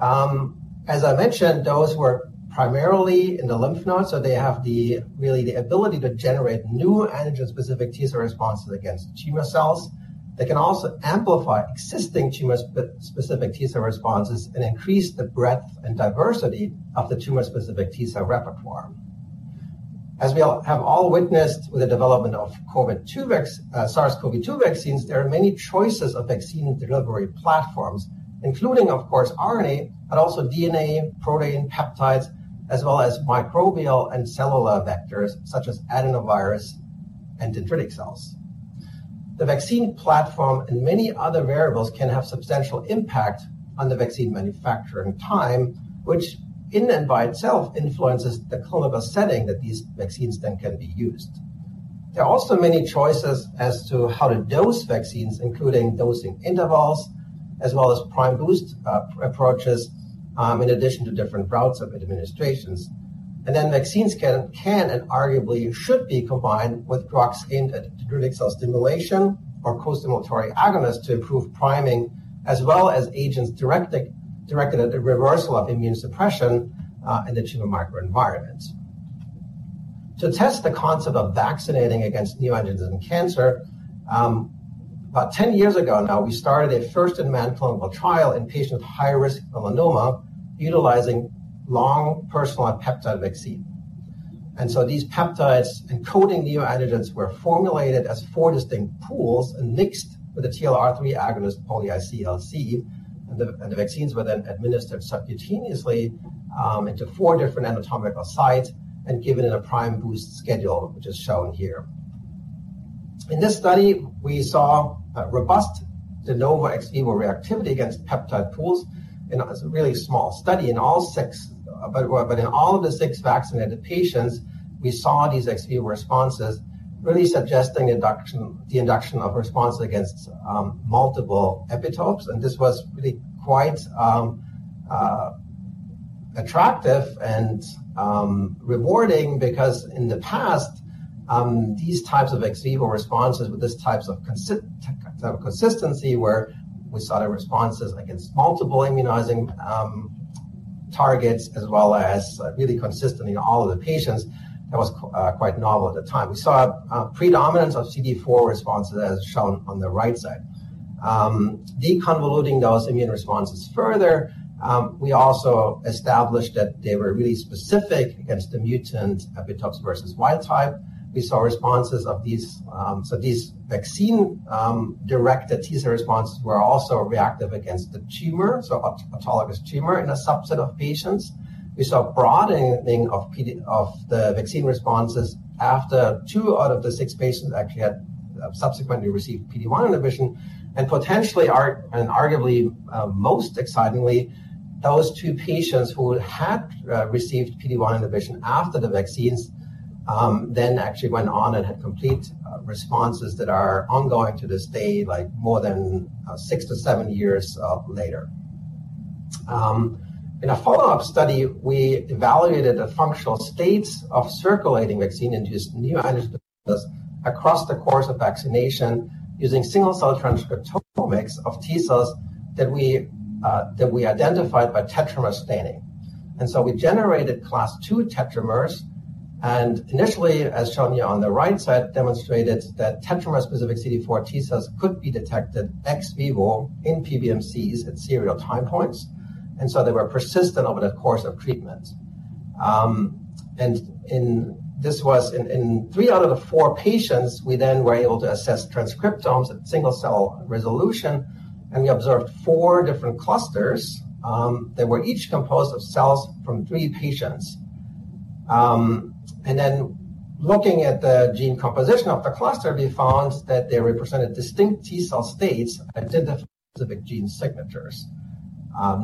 as I mentioned, those were primarily in the lymph nodes, so they really have the ability to generate new antigen-specific T cell responses against tumor cells. They can also amplify existing tumor-specific T cell responses and increase the breadth and diversity of the tumor-specific T cell repertoire. As we have all witnessed with the development of COVID-19 vaccines, uh, SARS-CoV-2 vaccines, there are many choices of vaccine delivery platforms, including, of course, RNA, but also DNA, protein, peptides, as well as microbial and cellular vectors such as adenovirus and dendritic cells. The vaccine platform and many other variables can have substantial impact on the vaccine manufacturing time, which in and of itself influences the clinical setting that these vaccines then can be used. There are also many choices as to how to dose vaccines, including dosing intervals, as well as prime boost approaches, in addition to different routes of administration. And then, vaccines can and arguably should be combined with drugs aimed at dendritic cell stimulation or costimulatory agonists to improve priming, as well as agents directed at the reversal of immune suppression in the tumor microenvironment. To test the concept of vaccinating against neoantigens in cancer, about 10 years ago now, we started a first-in-man clinical trial in patients with high-risk melanoma utilizing long personalized peptide vaccine. And so these peptides encoding neoantigens were formulated as 4 distinct pools and mixed with the TLR 3 agonist poly-ICLC, and the vaccines were then administered subcutaneously into 4 different anatomical sites and given in a prime boost schedule, which is shown here. In this study, we saw a robust de novo ex vivo reactivity against peptide pools in a really small study. In all six, in all of the six vaccinated patients, we saw these ex vivo responses, really suggesting induction, the induction of response against multiple epitopes. This was really quite attractive and rewarding because in the past, these types of ex vivo responses with these types of consistency, where we saw the responses against multiple immunizing targets, as well as really consistently in all of the patients, that was quite novel at the time. We saw a predominance of CD4 responses, as shown on the right side. Deconvoluting those immune responses further, we also established that they were really specific against the mutant epitopes versus wild type. We saw responses of these, so these vaccine directed T cell responses were also reactive against the tumor, so autologous tumor in a subset of patients. We saw broadening of PD- of the vaccine responses after 2 out of the 6 patients actually had subsequently received PD-1 inhibition, and potentially and arguably, most excitingly, those 2 patients who had received PD-1 inhibition after the vaccines, then actually went on and had complete responses that are ongoing to this day, like more than six to seven years later. In a follow-up study, we evaluated the functional states of circulating vaccine-induced neoantigens across the course of vaccination using single cell transcriptomics of T cells that we identified by tetramer staining. So we generated class II tetramers, and initially, as shown here on the right side, demonstrated that tetramer-specific CD4 T cells could be detected ex vivo in PBMCs at serial time points, and so they were persistent over the course of treatment. And this was in three out of the four patients, we then were able to assess transcriptomes at single-cell resolution, and we observed four different clusters that were each composed of cells from three patients. And then looking at the gene composition of the cluster, we found that they represented distinct T cell states and had specific gene signatures.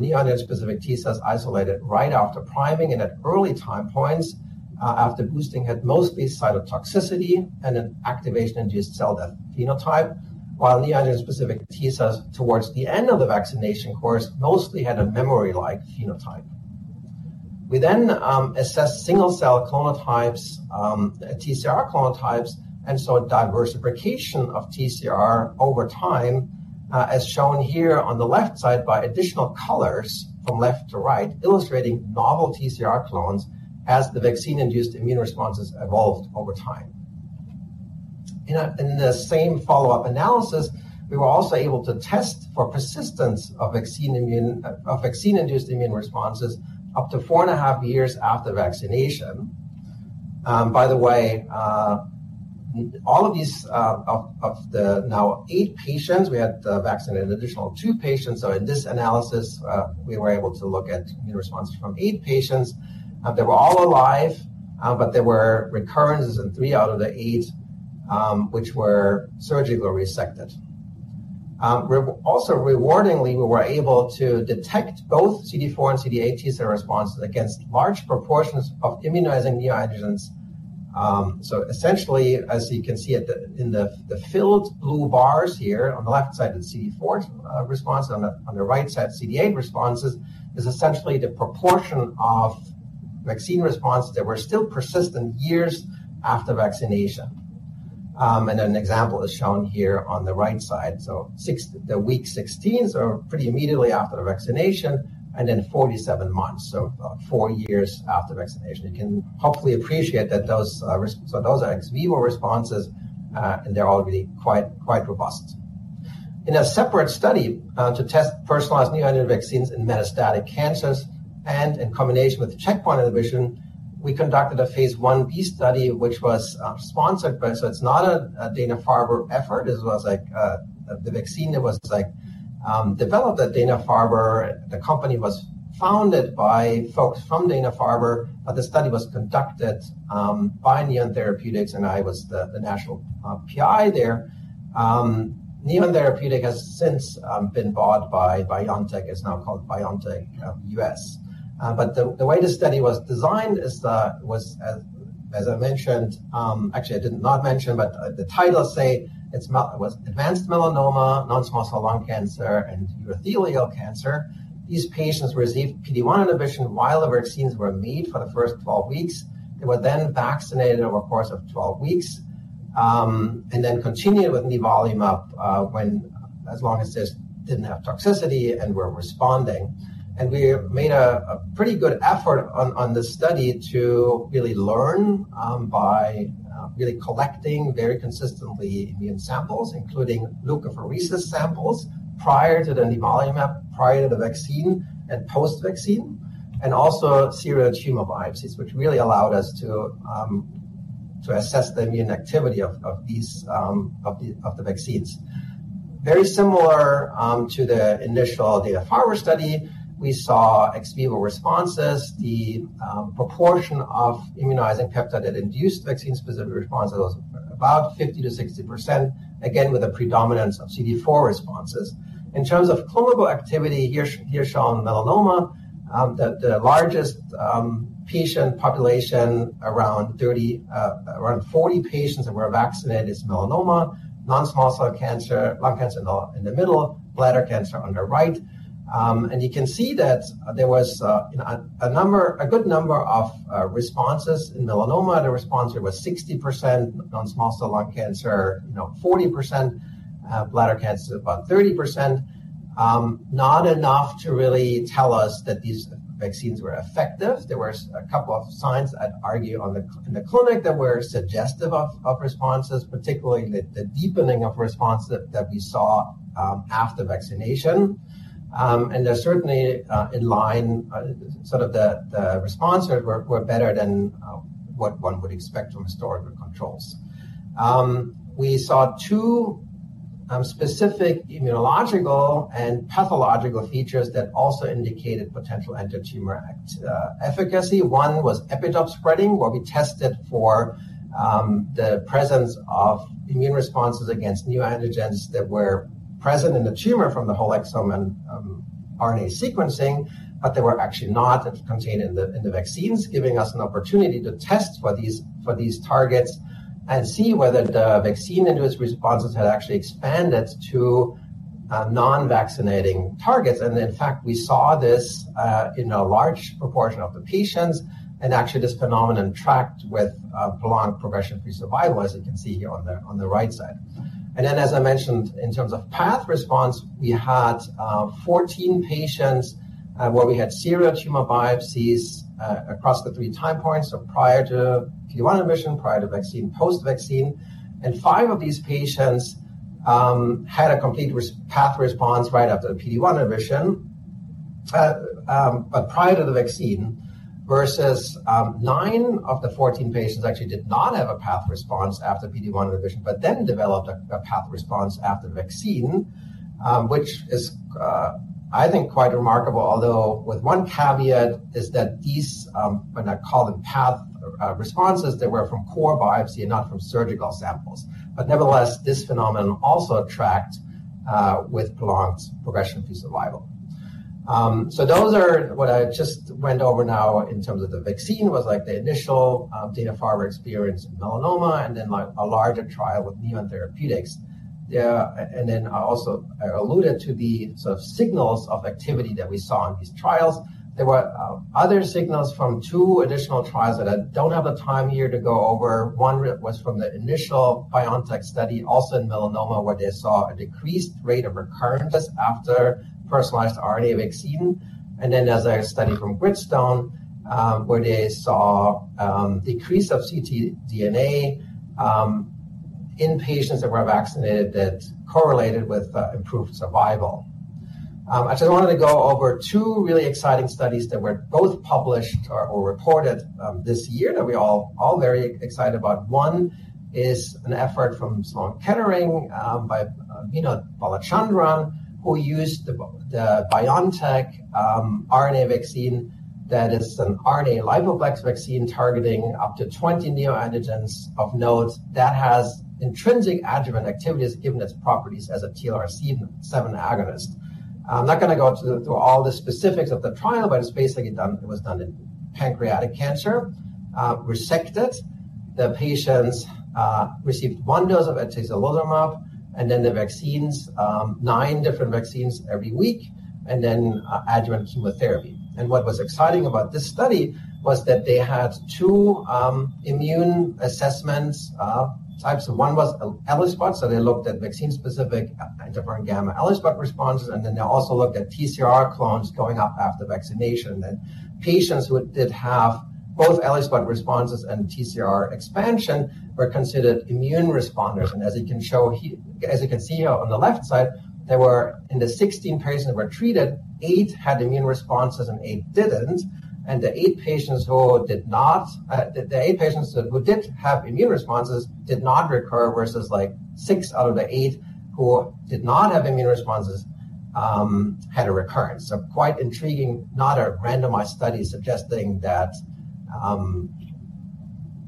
Neoantigen-specific T cells isolated right after priming and at early time points after boosting had mostly cytotoxicity and an activation-induced cell death phenotype, while neoantigen-specific T cells towards the end of the vaccination course mostly had a memory-like phenotype. We then assessed single cell clonotypes, TCR clonotypes, and saw a diversification of TCR over time, as shown here on the left side by additional colors from left to right, illustrating novel TCR clones as the vaccine-induced immune responses evolved over time. In the same follow-up analysis, we were also able to test for persistence of vaccine immune, of vaccine-induced immune responses up to four and a half years after vaccination. By the way, all of these, of the now eight patients, we had vaccinated an additional two patients. So in this analysis, we were able to look at immune responses from eight patients. They were all alive, but there were recurrences in three out of the eight, which were surgically resected. We're also rewardingly, we were able to detect both CD4 and CD8 T cell responses against large proportions of immunizing neoantigens. So essentially, as you can see in the filled blue bars here on the left side, the CD4 response, on the right side, CD8 responses, is essentially the proportion of vaccine responses that were still persistent years after vaccination. And an example is shown here on the right side. So the week 16s are pretty immediately after the vaccination and then 47 months, so four years after vaccination. You can hopefully appreciate that those are ex vivo responses, and they're all really quite robust. In a separate study, to test personalized neoantigen vaccines in metastatic cancers and in combination with the checkpoint inhibition, we conducted a Phase 1b study, which was, sponsored by... so it's not a Dana-Farber effort, as well as, like, the vaccine that was, like, developed at Dana-Farber. The company was founded by folks from Dana-Farber, but the study was conducted, by Neon Therapeutics, and I was the national PI there. Neon Therapeutics has since, been bought by BioNTech. It's now called BioNTech US. But the way the study was designed is that, as I mentioned, actually, I did not mention, but, the title says it's melanoma—it was advanced melanoma, non-small cell lung cancer, and urothelial cancer. These patients received PD-1 inhibition while the vaccines were made for the first 12 weeks. They were then vaccinated over a course of 12 weeks, and then continued with nivolumab, when, as long as this didn't have toxicity and were responding. We made a pretty good effort on this study to really learn, by really collecting very consistently immune samples, including leukapheresis samples, prior to the nivolumab, prior to the vaccine and post-vaccine, and also core tumor biopsies, which really allowed us to assess the immune activity of these vaccines. Very similar to the initial Dana-Farber study, we saw ex vivo responses. The proportion of immunizing peptide that induced vaccine-specific responses was about 50% to 60%, again, with a predominance of CD4 responses. In terms of clinical activity, here shown melanoma, the largest patient population, around 30, around 40 patients that were vaccinated is melanoma, non-small cell lung cancer in the middle, bladder cancer on the right. And you can see that there was, you know, a number, a good number of responses. In melanoma, the response rate was 60%, non-small cell lung cancer, you know, 40%, bladder cancer, about 30%. Not enough to really tell us that these vaccines were effective. There were a couple of signs I'd argue in the clinic that were suggestive of responses, particularly the deepening of response that we saw after vaccination. And they're certainly in line, the responses were better than what one would expect from historical controls. We saw two specific immunological and pathological features that also indicated potential antitumor activity efficacy. One was epitope spreading, where we tested for the presence of immune responses against neoantigens that were present in the tumor from the whole exome and RNA sequencing, but they were actually not contained in the vaccines, giving us an opportunity to test for these targets and see whether the vaccine-induced responses had actually expanded to non-vaccinating targets. And in fact, we saw this in a large proportion of the patients, and actually, this phenomenon tracked with prolonged progression-free survival, as you can see here on the right side. As I mentioned, in terms of path response, we had 14 patients where we had serial tumor biopsies across the three time points. So prior to PD-1 inhibition, prior to vaccine, post-vaccine, and five of these patients had a complete path response right after the PD-1 inhibition but prior to the vaccine, versus nine of the 14 patients actually did not have a path response after PD-1 inhibition, but then developed a path response after the vaccine, which is, I think, quite remarkable. Although with one caveat is that these, when I call them path responses that were from core biopsy and not from surgical samples. But nevertheless, this phenomenon also tracked with prolonged progression-free survival. So those are what I just went over now in terms of the vaccine, was like the initial Dana-Farber experience in melanoma, and then, like, a larger trial with Neon Therapeutics. Yeah, and then I also alluded to the sort of signals of activity that we saw in these trials. There were other signals from two additional trials that I don't have the time here to go over. One was from the initial BioNTech study, also in melanoma, where they saw a decreased rate of recurrence after personalized RNA vaccine. And then there's a study from Gritstone, where they saw decrease of ctDNA in patients that were vaccinated, that correlated with improved survival. I just wanted to go over two really exciting studies that were both published or reported this year that we're all very excited about. One is an effort from Sloan Kettering by Vinod Balachandran, who used the BioNTech RNA liposomal vaccine, targeting up to 20 neoantigens of nodes that has intrinsic adjuvant activities, given its properties as a TLR 7 agonist. I'm not gonna go into all the specifics of the trial, but it's basically done. It was done in pancreatic cancer, resected. The patients received one dose of atezolizumab, and then the vaccines, nine different vaccines every week, and then adjuvant chemotherapy. And what was exciting about this study was that they had two immune assessments, types. One was ELISpot, so they looked at vaccine-specific interferon gamma ELISpot responses, and then they also looked at TCR clones going up after vaccination. Then patients who did have both ELISpot responses and TCR expansion were considered immune responders. As you can see here on the left side, there were, in the 16 patients that were treated, 8 had immune responses and 8 didn't, and the 8 patients who did not, the 8 patients who did have immune responses did not recur, versus, like, 6 out of the 8 who did not have immune responses, had a recurrence. So quite intriguing. Not a randomized study suggesting that,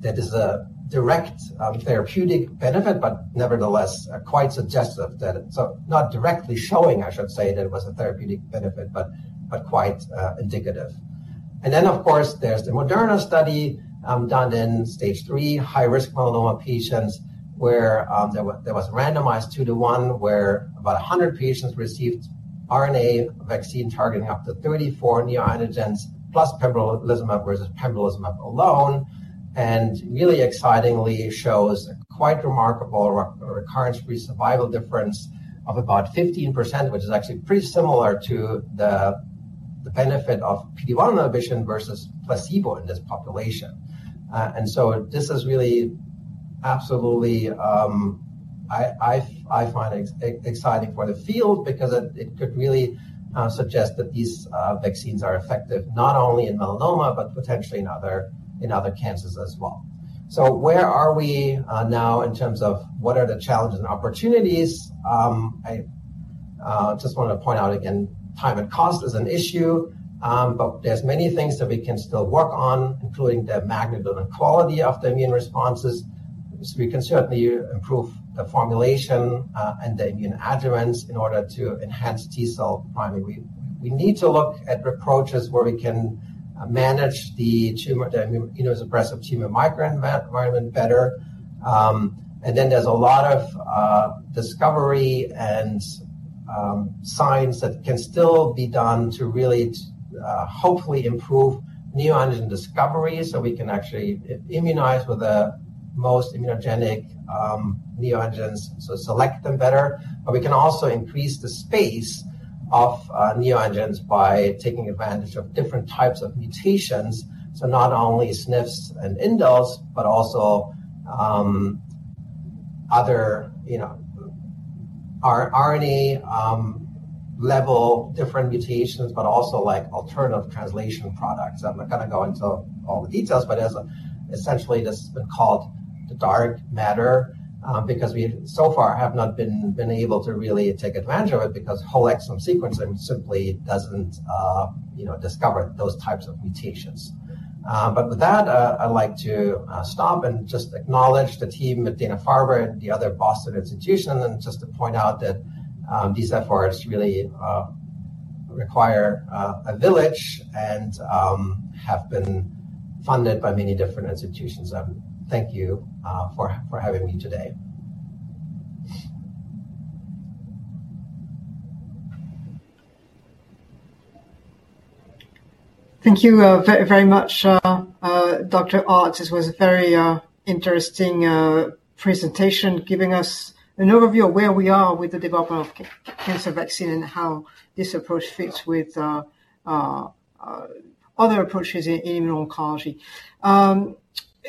there is a direct, therapeutic benefit, but nevertheless, quite suggestive that it's... so not directly showing, I should say, that it was a therapeutic benefit, but, but quite, indicative. Then, of course, there's the Moderna study done in stage three high-risk melanoma patients, where there was randomized two-to-one, where about 100 patients received RNA vaccine targeting up to 34 neoantigens, plus pembrolizumab, versus pembrolizumab alone. And really excitingly shows a quite remarkable recurrence-free survival difference of about 15%, which is actually pretty similar to the benefit of PD-1 inhibition versus placebo in this population. And so this is really absolutely, I find exciting for the field because it could really suggest that these vaccines are effective not only in melanoma, but potentially in other cancers as well. So where are we now, in terms of what are the challenges and opportunities? I just wanted to point out again, time and cost is an issue, but there's many things that we can still work on, including the magnitude and quality of the immune responses. So we can certainly improve the formulation and the immune adjuvants in order to enhance T cell priming. We need to look at approaches where we can manage the tumor, the immunosuppressive tumor microenvironment better. And then there's a lot of discovery and science that can still be done to really hopefully improve neoantigen discovery, so we can actually immunize with the most immunogenic neoantigens, so select them better. But we can also increase the space of neoantigens by taking advantage of different types of mutations, so not only SNVs and indels, but also other, you know, RNA level, different mutations, but also like alternative translation products. I'm not gonna go into all the details, but as essentially, this has been called the dark matter, because we so far have not been able to really take advantage of it, because whole exome sequencing simply doesn't, you know, discover those types of mutations. But with that, I'd like to stop and just acknowledge the team at Dana-Farber and the other Boston institution, and just to point out that these efforts really require a village and have been funded by many different institutions. Thank you for having me today. Thank you, very, very much, Dr. Ott. This was a very interesting presentation, giving us an overview of where we are with the development of cancer vaccine and how this approach fits with other approaches in oncology.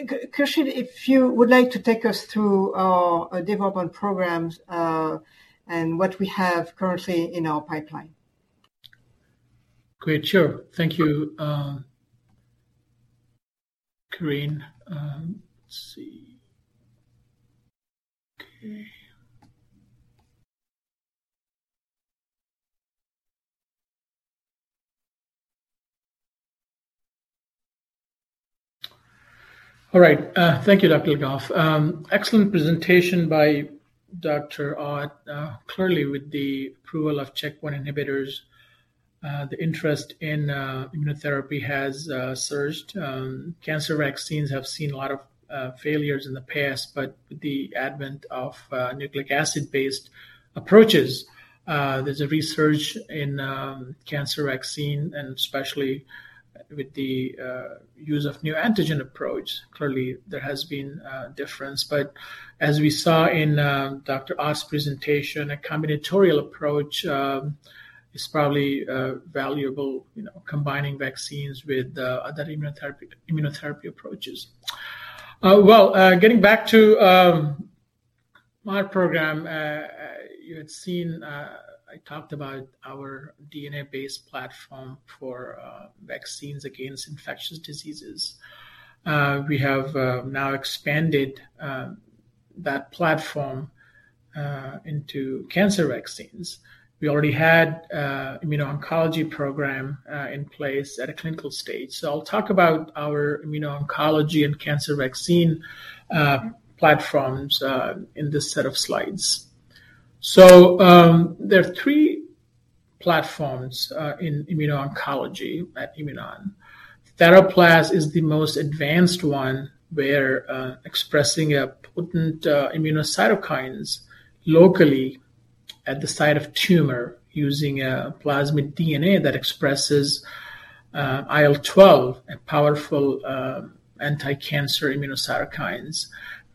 Khursheed, if you would like to take us through our development programs and what we have currently in our pipeline. Great, sure. Thank you, Corinne. Let's see. Okay. All right, thank you, Dr. Le Goff. Excellent presentation by Dr. Ott. Clearly, with the approval of checkpoint inhibitors, the interest in immunotherapy has surged. Cancer vaccines have seen a lot of failures in the past, but with the advent of nucleic acid-based approaches, there's a resurgence in cancer vaccine, and especially with the use of neoantigen approach, clearly, there has been a difference. But as we saw in Dr. Ott's presentation, a combinatorial approach is probably valuable, you know, combining vaccines with other immunotherapy approaches. Well, getting back to my program, you had seen, I talked about our DNA-based platform for vaccines against infectious diseases. We have now expanded that platform into cancer vaccines. We already had immuno-oncology program in place at a clinical stage. So I'll talk about our immuno-oncology and cancer vaccine platforms in this set of slides. So, there are three platforms in immuno-oncology at Imunon. TheraPlas is the most advanced one, where expressing a potent immunocytokines locally at the site of tumor using a plasmid DNA that expresses IL-12, a powerful anticancer immunocytokines,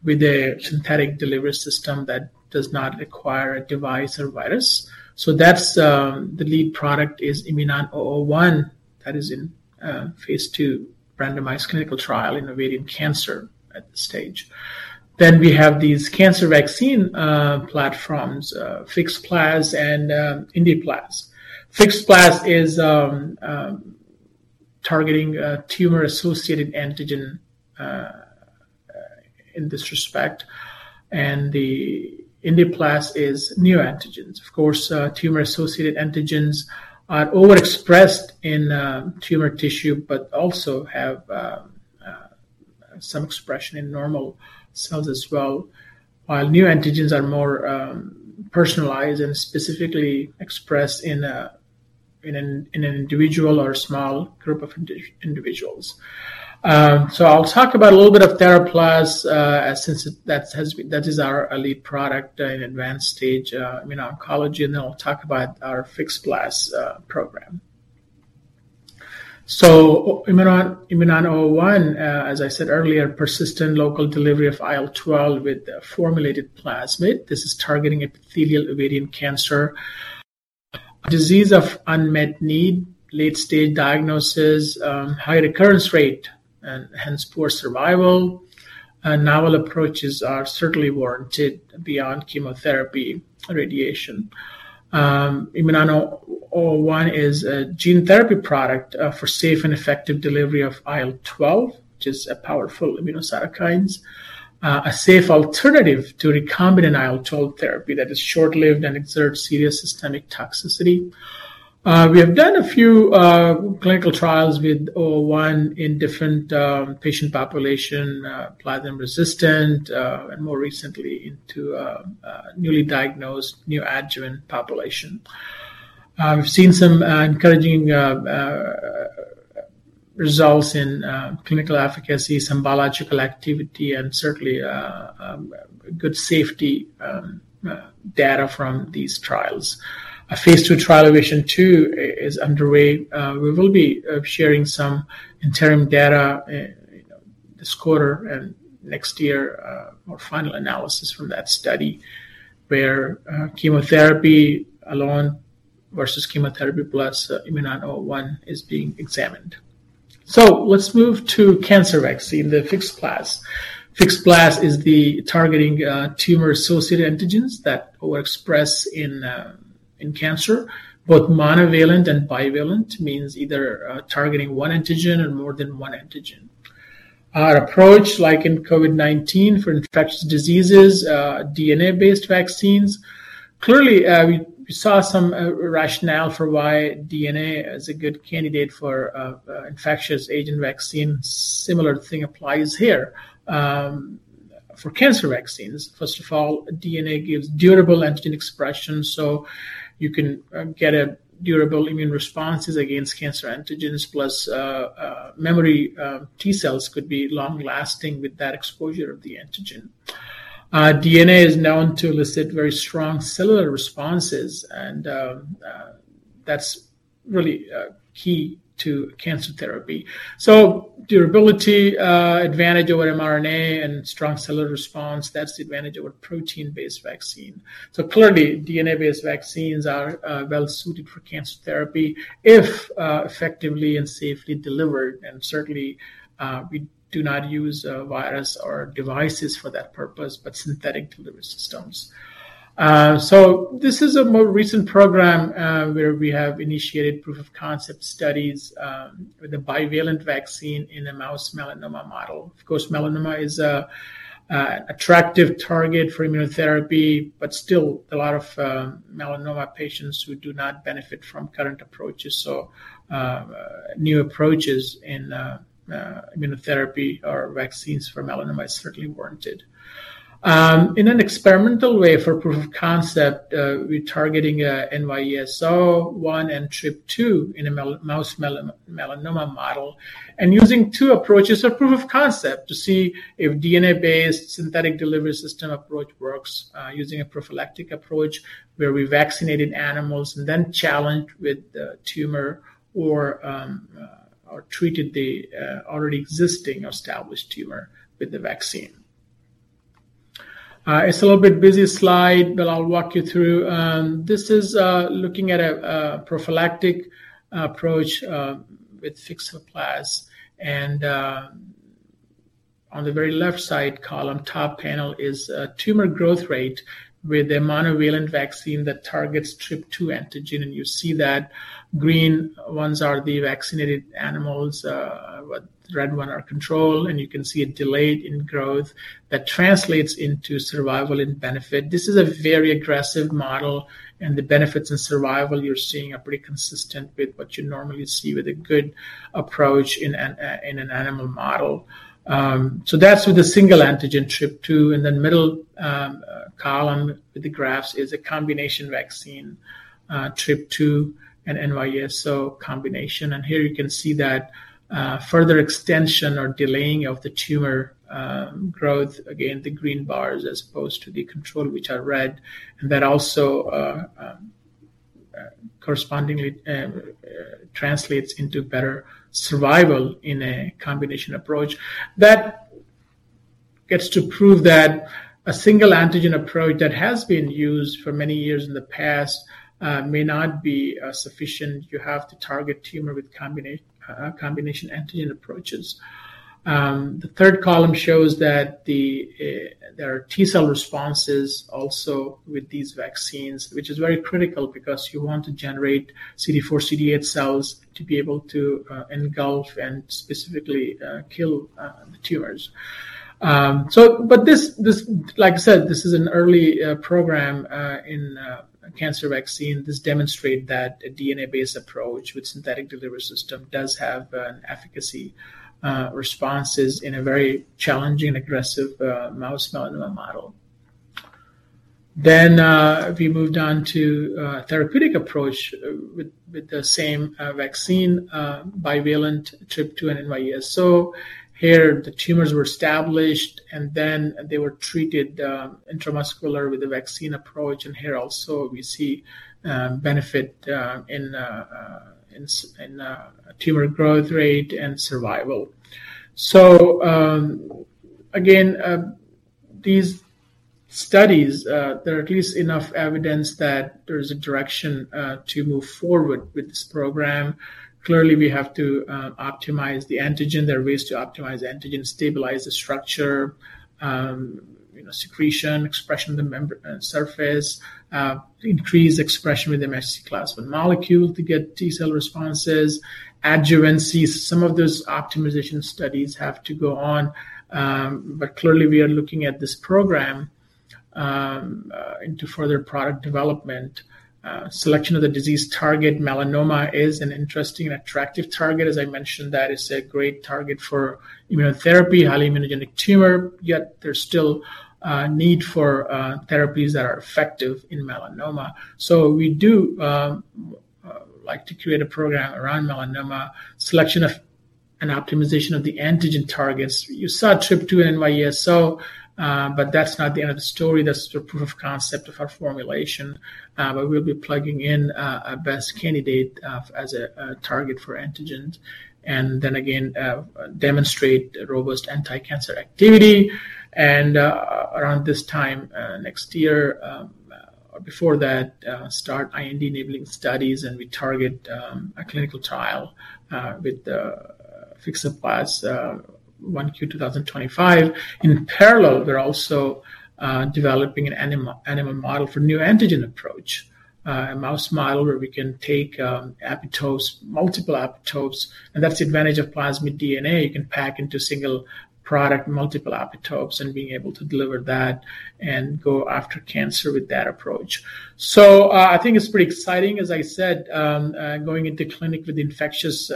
with a synthetic delivery system that does not require a device or virus. So that's the lead product is IMNN-001, that is in phase II randomized clinical trial in ovarian cancer at this stage. Then we have these cancer vaccine platforms, FixPlas and IndiPlas. FixPlas is targeting tumor-associated antigen in this respect, and the IndiPlas is neoantigens. Of course, tumor-associated antigens are overexpressed in, tumor tissue, but also have, some expression in normal cells as well, while neoantigens are more, personalized and specifically expressed in a, in an individual or a small group of individuals. So I'll talk about a little bit of TheraPlas, since that has been-- that is our, lead product, in advanced stage, immuno-oncology, and then I'll talk about our FixPlas, program. So Imunon, IMNN-001, as I said earlier, persistent local delivery of IL-12 with a formulated plasmid. This is targeting epithelial ovarian cancer, disease of unmet need, late-stage diagnosis, high recurrence rate, and hence, poor survival. And novel approaches are certainly warranted beyond chemotherapy and radiation. IMNN-001 is a gene therapy product, for safe and effective delivery of IL-12, which is a powerful immunocytokines. A safe alternative to recombinant IL-12 therapy that is short-lived and exerts serious systemic toxicity. We have done a few clinical trials with 001 in different patient population, platinum-resistant, and more recently into newly diagnosed, neo-adjuvant population. We've seen some encouraging results in clinical efficacy, some biological activity, and certainly good safety data from these trials. A phase II trial, Ovation-02, is underway. We will be sharing some interim data this quarter and next year, more final analysis from that study, where chemotherapy alone versus chemotherapy plus IMNN-101 is being examined. So let's move to cancer vaccine, the FixPlas. FixPlas is the targeting tumor-associated antigens that overexpress in in cancer, both monovalent and bivalent, means either targeting one antigen or more than one antigen. Our approach, like in COVID-19, for infectious diseases, DNA-based vaccines. Clearly, we, we saw some rationale for why DNA is a good candidate for infectious agent vaccine. Similar thing applies here for cancer vaccines. First of all, DNA gives durable antigen expression, so you can get a durable immune responses against cancer antigens, plus memory T cells could be long-lasting with that exposure of the antigen. DNA is known to elicit very strong cellular responses, and that's really key to cancer therapy. So durability advantage over mRNA and strong cellular response, that's the advantage of a protein-based vaccine. So clearly, DNA-based vaccines are well suited for cancer therapy if effectively and safely delivered, and certainly we do not use a virus or devices for that purpose, but synthetic delivery systems... so this is a more recent program where we have initiated proof-of-concept studies with a bivalent vaccine in a mouse melanoma model. Of course, melanoma is an attractive target for immunotherapy, but still a lot of melanoma patients who do not benefit from current approaches. So new approaches in immunotherapy or vaccines for melanoma is certainly warranted. In an experimental way for proof of concept, we're targeting NY-ESO-1 and TRP-2 in a mouse melanoma model, and using two approaches, a proof of concept, to see if DNA-based synthetic delivery system approach works, using a prophylactic approach, where we vaccinated animals and then challenged with the tumor or treated the already existing established tumor with the vaccine. It's a little bit busy slide, but I'll walk you through. This is looking at a prophylactic approach with FixPlas. And on the very left side column, top panel is a tumor growth rate with a monovalent vaccine that targets TRP-2 antigen. And you see that green ones are the vaccinated animals, the red ones are control, and you can see a delay in growth that translates into survival and benefit. This is a very aggressive model, and the benefits in survival you're seeing are pretty consistent with what you normally see with a good approach in an animal model. So that's with a single antigen, TRP2, and then middle column with the graphs is a combination vaccine, TRP2 and NY-ESO combination. And here you can see that further extension or delaying of the tumor growth, again, the green bars, as opposed to the control, which are red, and that also correspondingly translates into better survival in a combination approach. That gets to prove that a single antigen approach that has been used for many years in the past may not be sufficient. You have to target tumor with combination combination antigen approaches. The third column shows that there are T cell responses also with these vaccines, which is very critical because you want to generate CD4, CD8 cells to be able to engulf and specifically kill the tumors. So but this, like I said, this is an early program in cancer vaccine. This demonstrate that a DNA-based approach with synthetic delivery system does have an efficacy responses in a very challenging, aggressive mouse melanoma model. Then we moved on to a therapeutic approach with the same vaccine bivalent TRP-2 and NY-ESO. Here, the tumors were established, and then they were treated intramuscular with the vaccine approach, and here also we see benefit in tumor growth rate and survival. So, again, these studies, there are at least enough evidence that there is a direction to move forward with this program. Clearly, we have to optimize the antigen. There are ways to optimize the antigen, stabilize the structure, you know, secretion, expression of the member, surface, increase expression with the MHC class, but molecule to get T cell responses, adjuvancy. Some of those optimization studies have to go on, but clearly, we are going looking at this program into further product development. Selection of the disease target, melanoma is an interesting and attractive target. As I mentioned, that is a great target for immunotherapy, highly immunogenic tumor, yet there's still a need for therapies that are effective in melanoma. So we do like to create a program around melanoma, selection of an optimization of the antigen targets. You saw TRP2 and NY-ESO-1, but that's not the end of the story. That's the proof of concept of our formulation. But we'll be plugging in a best candidate as a target for antigens, and then again demonstrate robust anticancer activity. And around this time next year or before that start IND-enabling studies, and we target a clinical trial with the FixPlas first quarter 2025. In parallel, we're also developing an animal model for neoantigen approach, a mouse model where we can take neoantigens, multiple neoantigens, and that's the advantage of plasmid DNA. You can pack into a single product, multiple epitopes, and being able to deliver that and go after cancer with that approach. So, I think it's pretty exciting, as I said, going into clinic with the infectious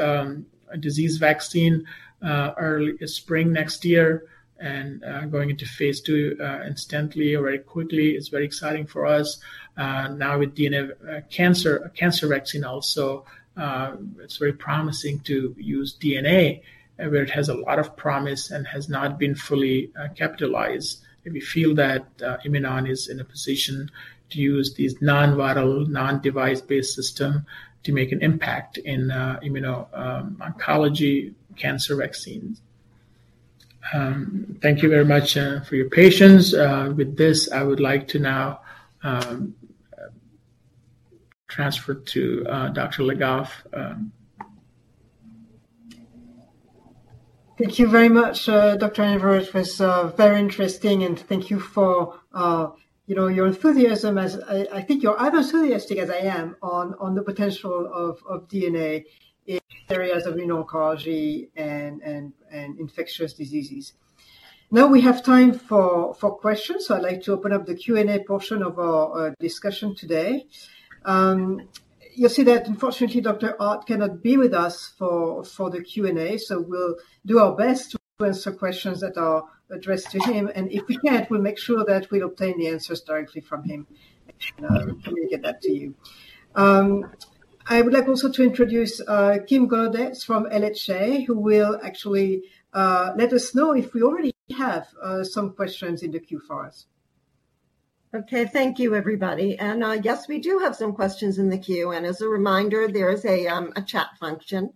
disease vaccine early spring next year and going into phase II instantly or very quickly. It's very exciting for us. Now with DNA cancer, a cancer vaccine also, it's very promising to use DNA where it has a lot of promise and has not been fully capitalized. And we feel that Imunon is in a position to use these non-viral, non-device-based system to make an impact in immuno-oncology cancer vaccines. Thank you very much for your patience. With this, I would like to now transfer to Dr. Le Goff. Thank you very much, Dr. Anwer. It was very interesting, and thank you for, you know, your enthusiasm as I think you're as enthusiastic as I am on the potential of DNA in areas of immuno-oncology and infectious diseases. Now, we have time for questions, so I'd like to open up the Q&A portion of our discussion today. You'll see that unfortunately, Dr. Ott cannot be with us for the Q&A, so we'll do our best to answer questions that are addressed to him, and if we can't, we'll make sure that we obtain the answers directly from him and communicate that to you. I would like also to introduce Kim Golodetz from LHA, who will actually let us know if we already have some questions in the queue for us. Okay. Thank you, everybody. And yes, we do have some questions in the queue, and as a reminder, there is a chat function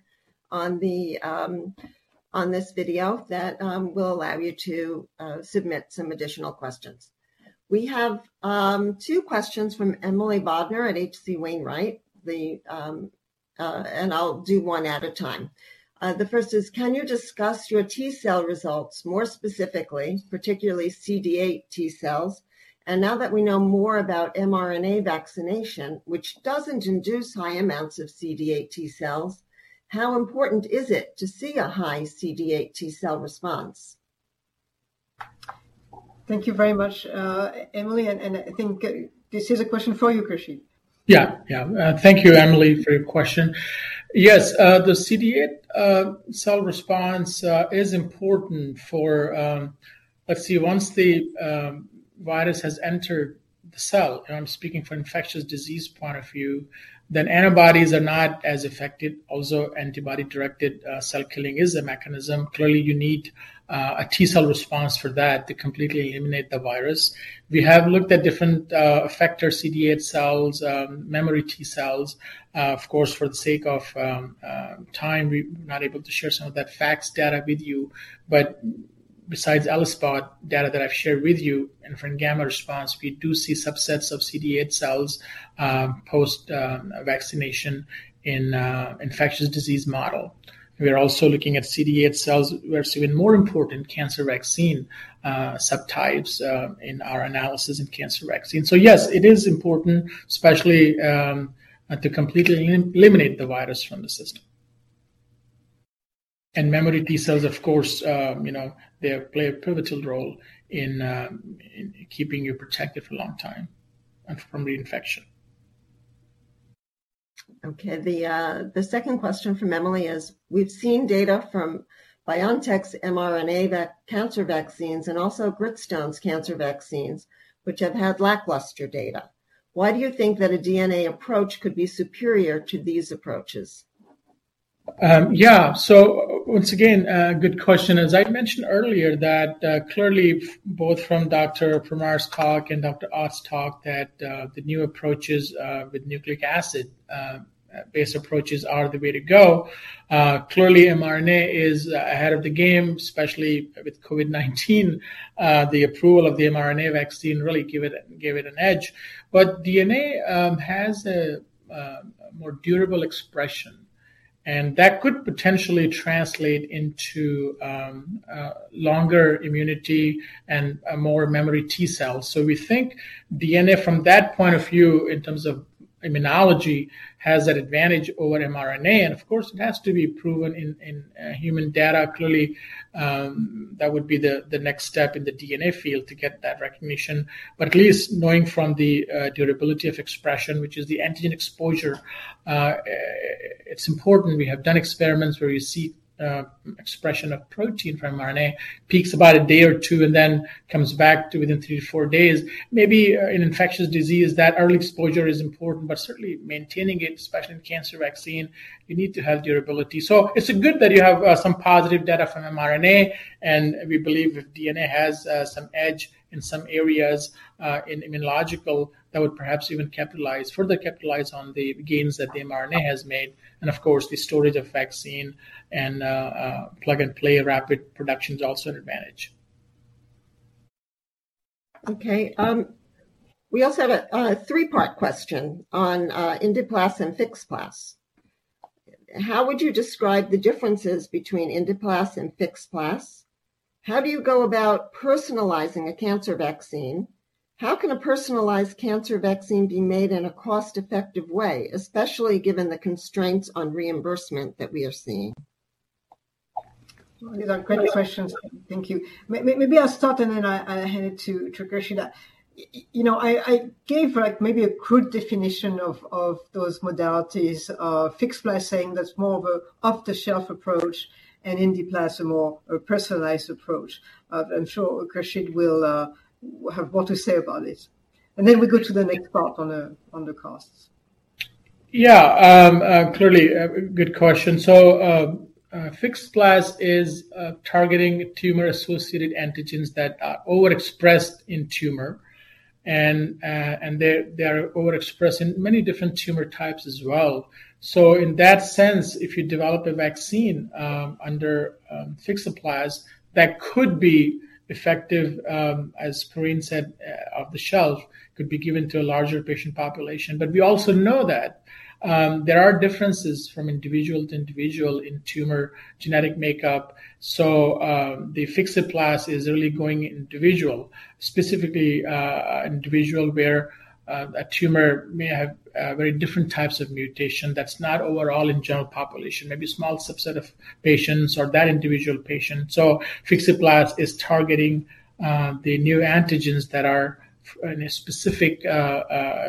on this video that will allow you to submit some additional questions. We have two questions from Emily Bodner at H.C. Wainwright, and I'll do one at a time. The first is: Can you discuss your T cell results more specifically, particularly CD8 T cells? And now that we know more about mRNA vaccination, which doesn't induce high amounts of CD8 T cells, how important is it to see a high CD8 T cell response? Thank you very much, Emily, and I think this is a question for you, Khursheed. Yeah, yeah. Thank you, Emily, for your question. Yes, the CD8 cell response is important for... let's see, once the virus has entered the cell, and I'm speaking from an infectious disease point of view, then antibodies are not as effective. Also, antibody-directed cell killing is a mechanism. Clearly, you need a T cell response for that to completely eliminate the virus. We have looked at different effector CD8 cells, memory T cells. Of course, for the sake of time, we're not able to share some of that facts, data with you, but besides ELISpot data that I've shared with you, and for gamma response, we do see subsets of CD8 cells post vaccination in infectious disease model. We are also looking at CD8 cells, where it's even more important, cancer vaccine subtypes in our analysis of cancer vaccine. So yes, it is important, especially to completely eliminate the virus from the system. And memory T cells, of course, you know, they play a pivotal role in in keeping you protected for a long time and from reinfection. Okay. The second question from Emily is: We've seen data from BioNTech's mRNA vaccine cancer vaccines and also Gritstone's cancer vaccines, which have had lackluster data. Why do you think that a DNA approach could be superior to these approaches? Yeah. So once again, a good question. As I mentioned earlier, that clearly both from Dr. Permar's talk and Dr. Ott's talk, that the new approaches with nucleic acid-based approaches are the way to go. Clearly, mRNA is ahead of the game, especially with COVID-19. The approval of the mRNA vaccine really gave it an edge. But DNA has a more durable expression, and that could potentially translate into longer immunity and more memory T cells. So we think DNA, from that point of view, in terms of immunology, has an advantage over mRNA, and of course, it has to be proven in human data. Clearly, that would be the next step in the DNA field to get that recognition. But at least knowing from the, durability of expression, which is the antigen exposure, it's important. We have done experiments where we see, expression of protein from mRNA, peaks about one or two days and then comes back to within three to four days. Maybe, in infectious disease, that early exposure is important, but certainly maintaining it, especially in cancer vaccine, you need to have durability. So it's good that you have, some positive data from mRNA, and we believe that DNA has, some edge in some areas, in immunological that would perhaps even capitalize, further capitalize on the gains that the mRNA has made, and of course, the storage of vaccine and, plug-and-play rapid production is also an advantage. Okay, we also have a three-part question on IndiPlas and FixPlas. How would you describe the differences between IndiPlas and FixPlas? How do you go about personalizing a cancer vaccine? How can a personalized cancer vaccine be made in a cost-effective way, especially given the constraints on reimbursement that we are seeing? These are great questions. Thank you. Maybe I'll start, and then I hand it to Khursheed. You know, I gave, like, maybe a crude definition of those modalities, of FixPlas, saying that's more of an off-the-shelf approach and IndiPlas, a more personalized approach. I'm sure Khursheed will have what to say about this. And then we go to the next part on the costs. Yeah, clearly a good question. So, fixed plas is targeting tumor-associated antigens that are overexpressed in tumor, and, and they, they are overexpressed in many different tumor types as well. So in that sense, if you develop a vaccine, under fixed supplies, that could be effective, as Corinne said, off the shelf, could be given to a larger patient population. But we also know that, there are differences from individual to individual in tumor genetic makeup. So, the fixed plas is really going individual, specifically, individual where, a tumor may have, very different types of mutation that's not overall in general population, maybe a small subset of patients or that individual patient. So FixPlas is targeting the neoantigens that are found in a specific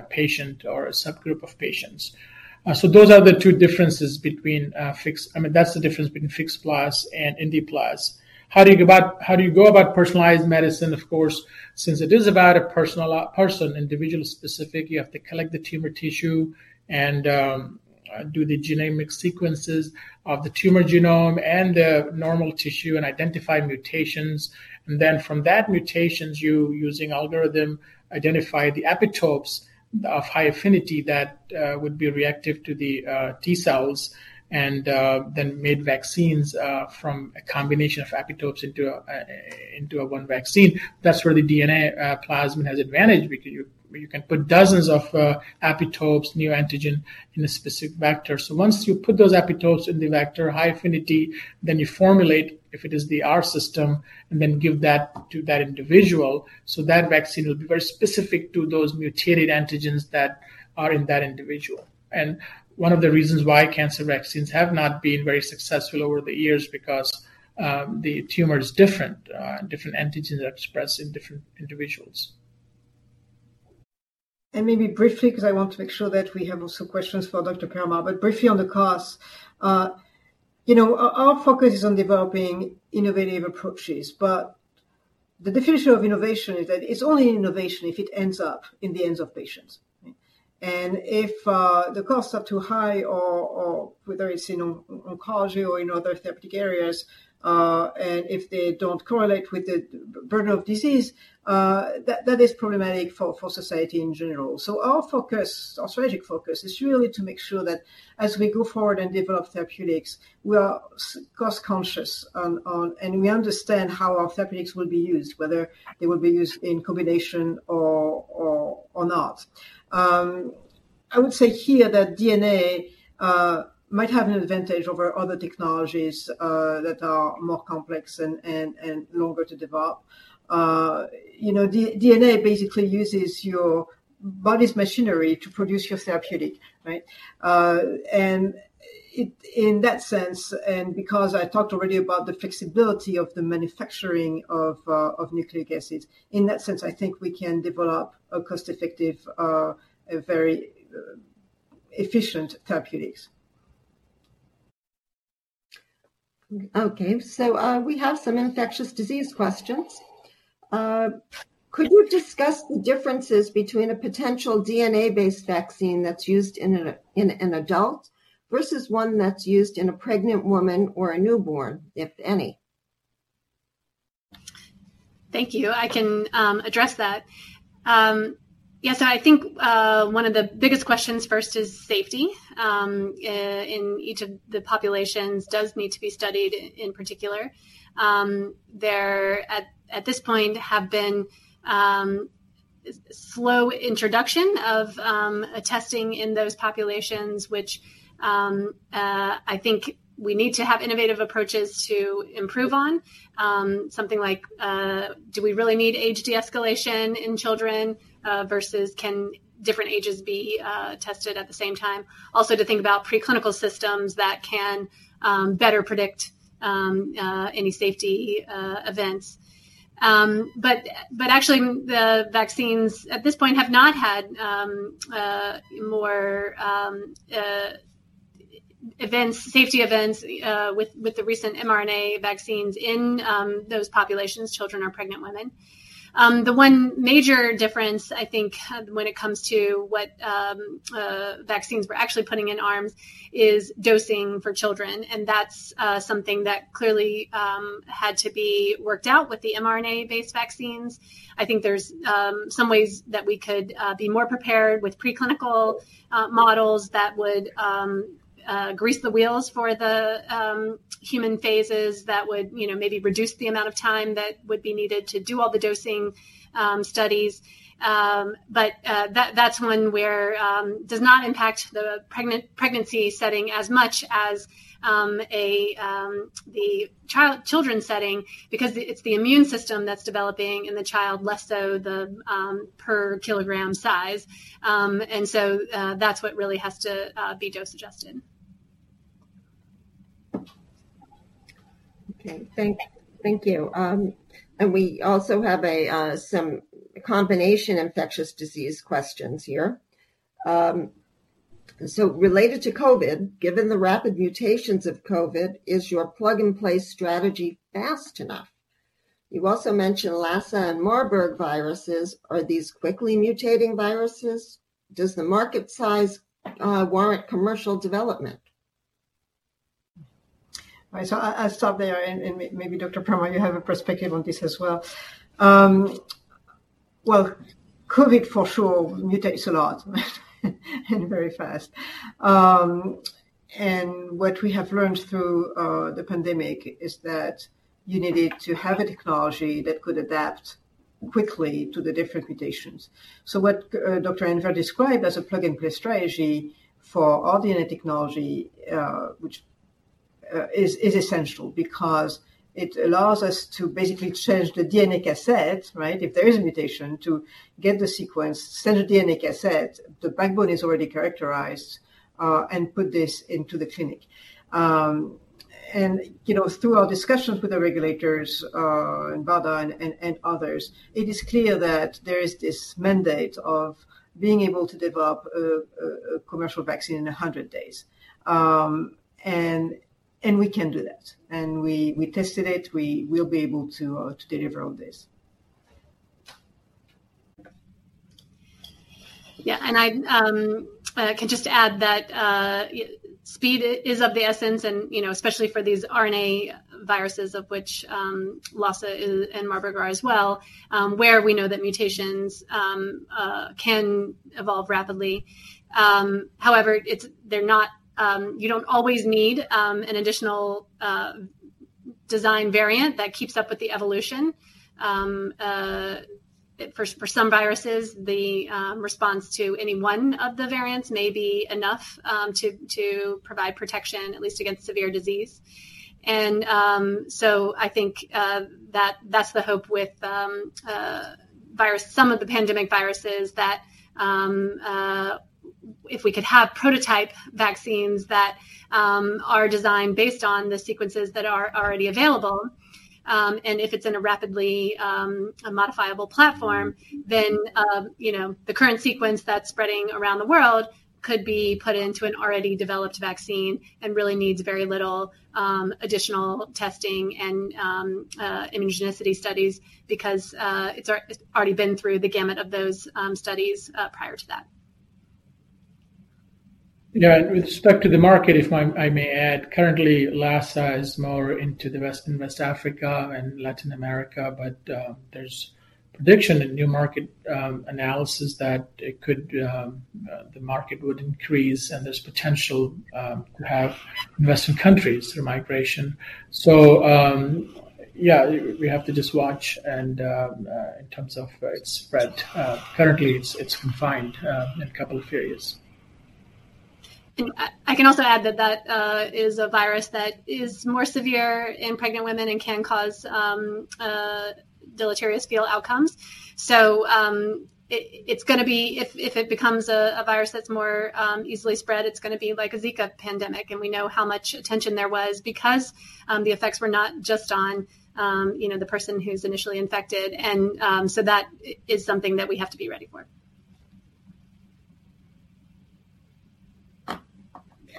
patient or a subgroup of patients. So those are the two differences between fixed... I mean, that's the difference between FixPlas and IndiPlas. How do you go about, how do you go about personalized medicine? Of course, since it is about a personal person, individual specific, you have to collect the tumor tissue and do the genomic sequencing of the tumor genome and the normal tissue and identify mutations. And then from those mutations, you, using algorithms, identify the epitopes of high affinity that would be reactive to the T cells, and then make vaccines from a combination of epitopes into a one vaccine. That's where the DNA plasmid has advantage, because you can put dozens of epitopes, neoantigen in a specific vector. So once you put those epitopes in the vector, high affinity, then you formulate, if it is the our system, and then give that to that individual. So that vaccine will be very specific to those mutated antigens that are in that individual. One of the reasons why cancer vaccines have not been very successful over the years because the tumor is different, different antigens are expressed in different individuals. And maybe briefly, because I want to make sure that we have also questions for Dr. Permar, but briefly on the cost. You know, our, our focus is on developing innovative approaches, but the definition of innovation is that it's only innovation if it ends up in the hands of patients, right? And if the costs are too high or whether it's in oncology or in other therapeutic areas, and if they don't correlate with the burden of disease, that, that is problematic for, for society in general. So our focus, our strategic focus, is really to make sure that as we go forward and develop therapeutics, we are cost-conscious on, on. And we understand how our therapeutics will be used, whether they will be used in combination or not. I would say here that DNA might have an advantage over other technologies that are more complex and longer to develop. You know, DNA basically uses your body's machinery to produce your therapeutic, right? And in that sense, and because I talked already about the flexibility of the manufacturing of nucleic acids, in that sense, I think we can develop a cost-effective, a very efficient therapeutics. Okay, so, we have some infectious disease questions. Could you discuss the differences between a potential DNA-based vaccine that's used in an adult versus one that's used in a pregnant woman or a newborn, if any? Thank you. I can address that. Yes, I think one of the biggest questions first is safety. And each of the populations does need to be studied in particular. There, at this point, have been slow introduction of a testing in those populations, which I think we need to have innovative approaches to improve on. Something like, do we really need age de-escalation in children versus can different ages be tested at the same time? Also, to think about preclinical systems that can better predict any safety events. But actually, the vaccines at this point have not had a more events, safety events with the recent mRNA vaccines in those populations, children or pregnant women. The one major difference, I think, when it comes to what vaccines we're actually putting in arms, is dosing for children, and that's something that clearly had to be worked out with the mRNA-based vaccines. I think there's some ways that we could be more prepared with preclinical models that would grease the wheels for the human phases, that would, you know, maybe reduce the amount of time that would be needed to do all the dosing studies. But that's one where does not impact the pregnancy setting as much as the children's setting, because it's the immune system that's developing in the child, less so the per kilogram size. And so that's what really has to be dose-adjusted. Okay. Thank you. And we also have some combination infectious disease questions here. So related to COVID, given the rapid mutations of COVID, is your plug-and-play strategy fast enough? You also mentioned Lassa and Marburg viruses. Are these quickly mutating viruses? Does the market size warrant commercial development? Right. So I'll stop there, and maybe Dr. Permar, you have a perspective on this as well. Well, COVID, for sure, mutates a lot, and very fast. And what we have learned through the pandemic is that you needed to have a technology that could adapt quickly to the different mutations. So what Dr. Anwer described as a plug-and-play strategy for all DNA technology, which is essential because it allows us to basically change the DNA cassette, right? If there is a mutation, to get the sequence, send a DNA cassette, the backbone is already characterized, and put this into the clinic. you know, through our discussions with the regulators, and BARDA and others, it is clear that there is this mandate of being able to develop a commercial vaccine in 100 days. We can do that, and we tested it. We will be able to deliver on this. Yeah, and I can just add that speed is of the essence, and, you know, especially for these RNA viruses of which Lassa and Marburg are as well, where we know that mutations can evolve rapidly. However, they're not... you don't always need an additional design variant that keeps up with the evolution. For some viruses, the response to any one of the variants may be enough to provide protection, at least against severe disease. So I think that that's the hope with some of the pandemic viruses that if we could have prototype vaccines that are designed based on the sequences that are already available and if it's in a rapidly modifiable platform, then you know the current sequence that's spreading around the world could be put into an already developed vaccine and really needs very little additional testing and immunogenicity studies because it's already been through the gamut of those studies prior to that. Yeah, with respect to the market, if I may add, currently, Lassa is more into West Africa and Latin America, but there's prediction in new market analysis that the market would increase, and there's potential to have western countries through migration. So, yeah, we have to just watch and, in terms of its spread, currently, it's confined in a couple of areas. And I can also add that is a virus that is more severe in pregnant women and can cause deleterious fetal outcomes. So, it's gonna be... if it becomes a virus that's more easily spread, it's gonna be like a Zika pandemic, and we know how much attention there was because the effects were not just on, you know, the person who's initially infected, and so that is something that we have to be ready for.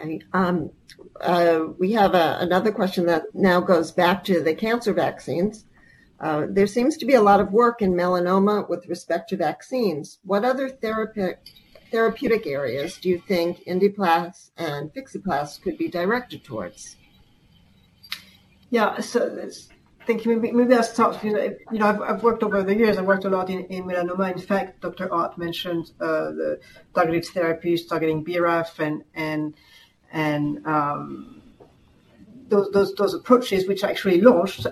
We have another question that now goes back to the cancer vaccines. There seems to be a lot of work in melanoma with respect to vaccines. What other therapeutic areas do you think IndiPlas and FixPlas could be directed towards? Yeah, so let's... thank you. Maybe I'll start, you know, I've worked over the years. I've worked a lot in melanoma. In fact, Dr. Ott mentioned the targeted therapies, targeting BRAF and those approaches, which actually launched.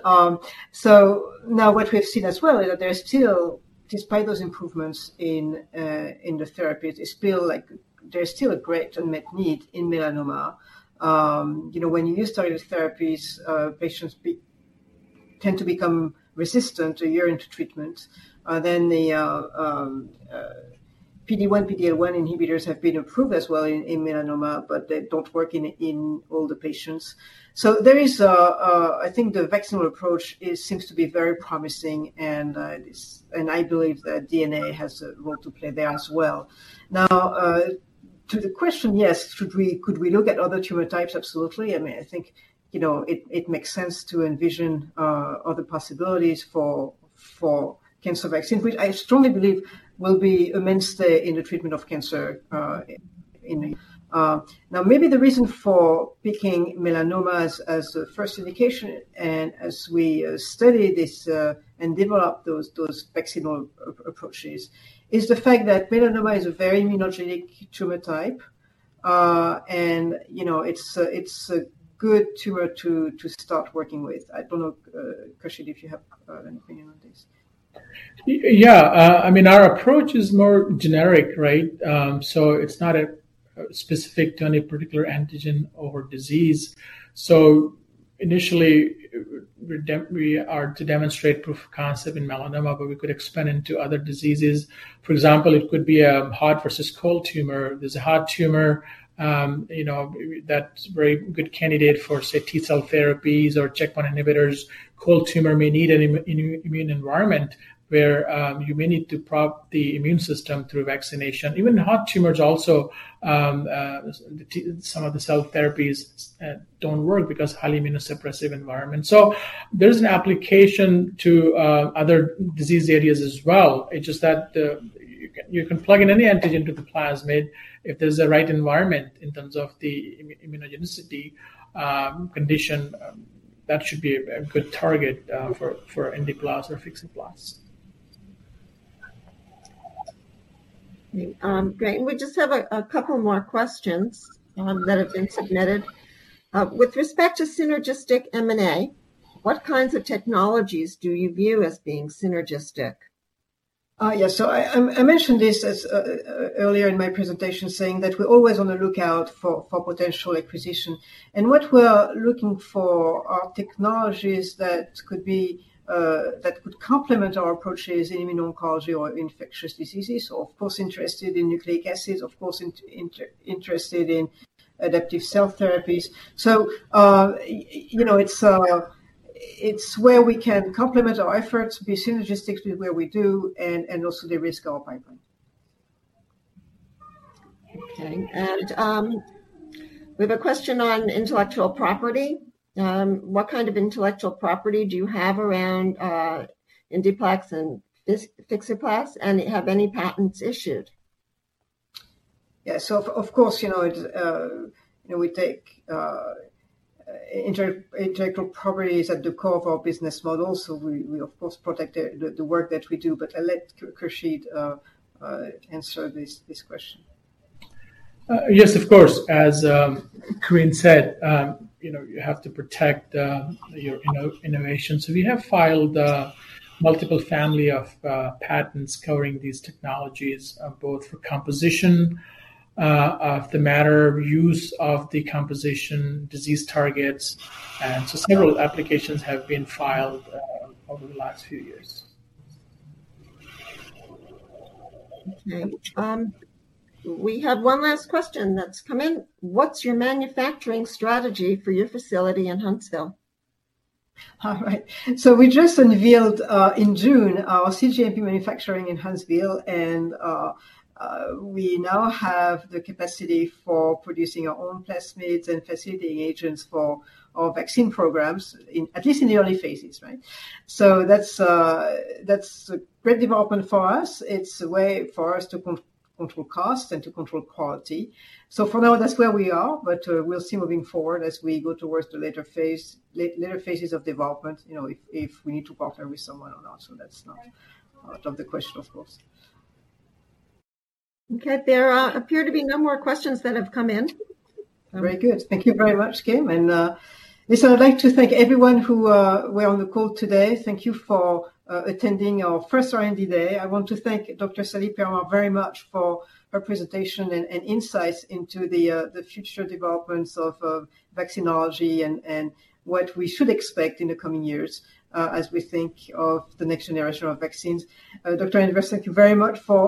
So now what we have seen as well is that there's still, despite those improvements in the therapies, it's still like there's still a great unmet need in melanoma. You know, when you use targeted therapies, patients tend to become resistant a year into treatment, then the PD-1, PD-L1 inhibitors have been approved as well in melanoma, but they don't work in all the patients. So there is... I think the vaccinal approach seems to be very promising, and is, and I believe that DNA has a role to play there as well. Now, to the question, yes, could we look at other tumor types? Absolutely. I mean, I think, you know, it makes sense to envision other possibilities for cancer vaccines, which I strongly believe will be immense there in the treatment of cancer, in... Now, maybe the reason for picking melanoma as the first indication, and as we study this, and develop those vaccinal approaches, is the fact that melanoma is a very immunogenic tumor type. And, you know, it's a good tumor to start working with. I don't know, Khursheed, if you have an opinion on this. Yeah, I mean, our approach is more generic, right? So it's not specific to any particular antigen or disease. So initially, we are to demonstrate proof of concept in melanoma, but we could expand into other diseases. For example, it could be a hot versus cold tumor. There's a hot tumor, you know, that's very good candidate for, say, T-cell therapies or checkpoint inhibitors. Cold tumor may need an immune environment where you may need to prop the immune system through vaccination. Even hot tumors also, some of the cell therapies don't work because highly immunosuppressive environment. So there's an application to other disease areas as well. It's just that you can plug in any antigen to the plasmid. If there's a right environment in terms of the immunogenicity condition, that should be a good target for IndiPlas or FixPlas. Okay. Great. We just have a couple more questions that have been submitted. With respect to synergistic M&A, what kinds of technologies do you view as being synergistic? Yeah, so I mentioned this earlier in my presentation, saying that we're always on the lookout for potential acquisition. And what we're looking for are technologies that could complement our approaches in immuno-oncology or infectious diseases, or, of course, interested in nucleic acids, of course, interested in adoptive cell therapies. So, you know, it's where we can complement our efforts, be synergistic with where we do, and also de-risk our pipeline. Okay. We have a question on intellectual property. What kind of intellectual property do you have around IndiPlas and FixPlas, and have any patents issued? Yeah. So, of course, you know, intellectual property is at the core of our business model, so we, of course, protect the work that we do. But I'll let Khursheed answer this question. Yes, of course, as Corinne said, you know, you have to protect your innovation. So we have filed multiple family of patents covering these technologies, both for composition of the matter, use of the composition, disease targets, and so several applications have been filed over the last few years. Okay. We have one last question that's come in: What's your manufacturing strategy for your facility in Huntsville? All right. So we just unveiled in June our cGMP manufacturing in Huntsville, and we now have the capacity for producing our own plasmids and facilitating agents for our vaccine programs, at least in the early phases, right? So that's a great development for us. It's a way for us to control costs and to control quality. So for now, that's where we are, but we'll see moving forward as we go towards the later phases of development, you know, if we need to partner with someone or not. So that's not out of the question, of course. Okay. There appear to be no more questions that have come in. Very good. Thank you very much, Kim. Listen, I'd like to thank everyone who were on the call today. Thank you for attending our first R&D Day. I want to thank Dr. Sallie Permar very much for her presentation and insights into the future developments of vaccinology and what we should expect in the coming years as we think of the next generation of vaccines. Dr. Khursheed Anwer, thank you very much for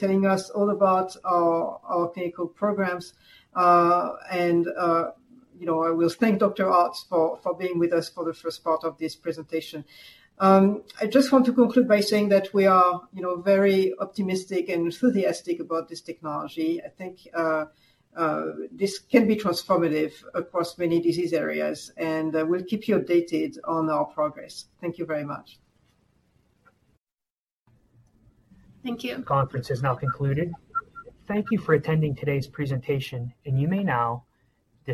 telling us all about our clinical programs. You know, I will thank Dr. Patrick Ott for being with us for the first part of this presentation. I just want to conclude by saying that we are, you know, very optimistic and enthusiastic about this technology. I think, this can be transformative across many disease areas, and, we'll keep you updated on our progress. Thank you very much. Thank you. Conference is now concluded. Thank you for attending today's presentation, and you may now disconnect.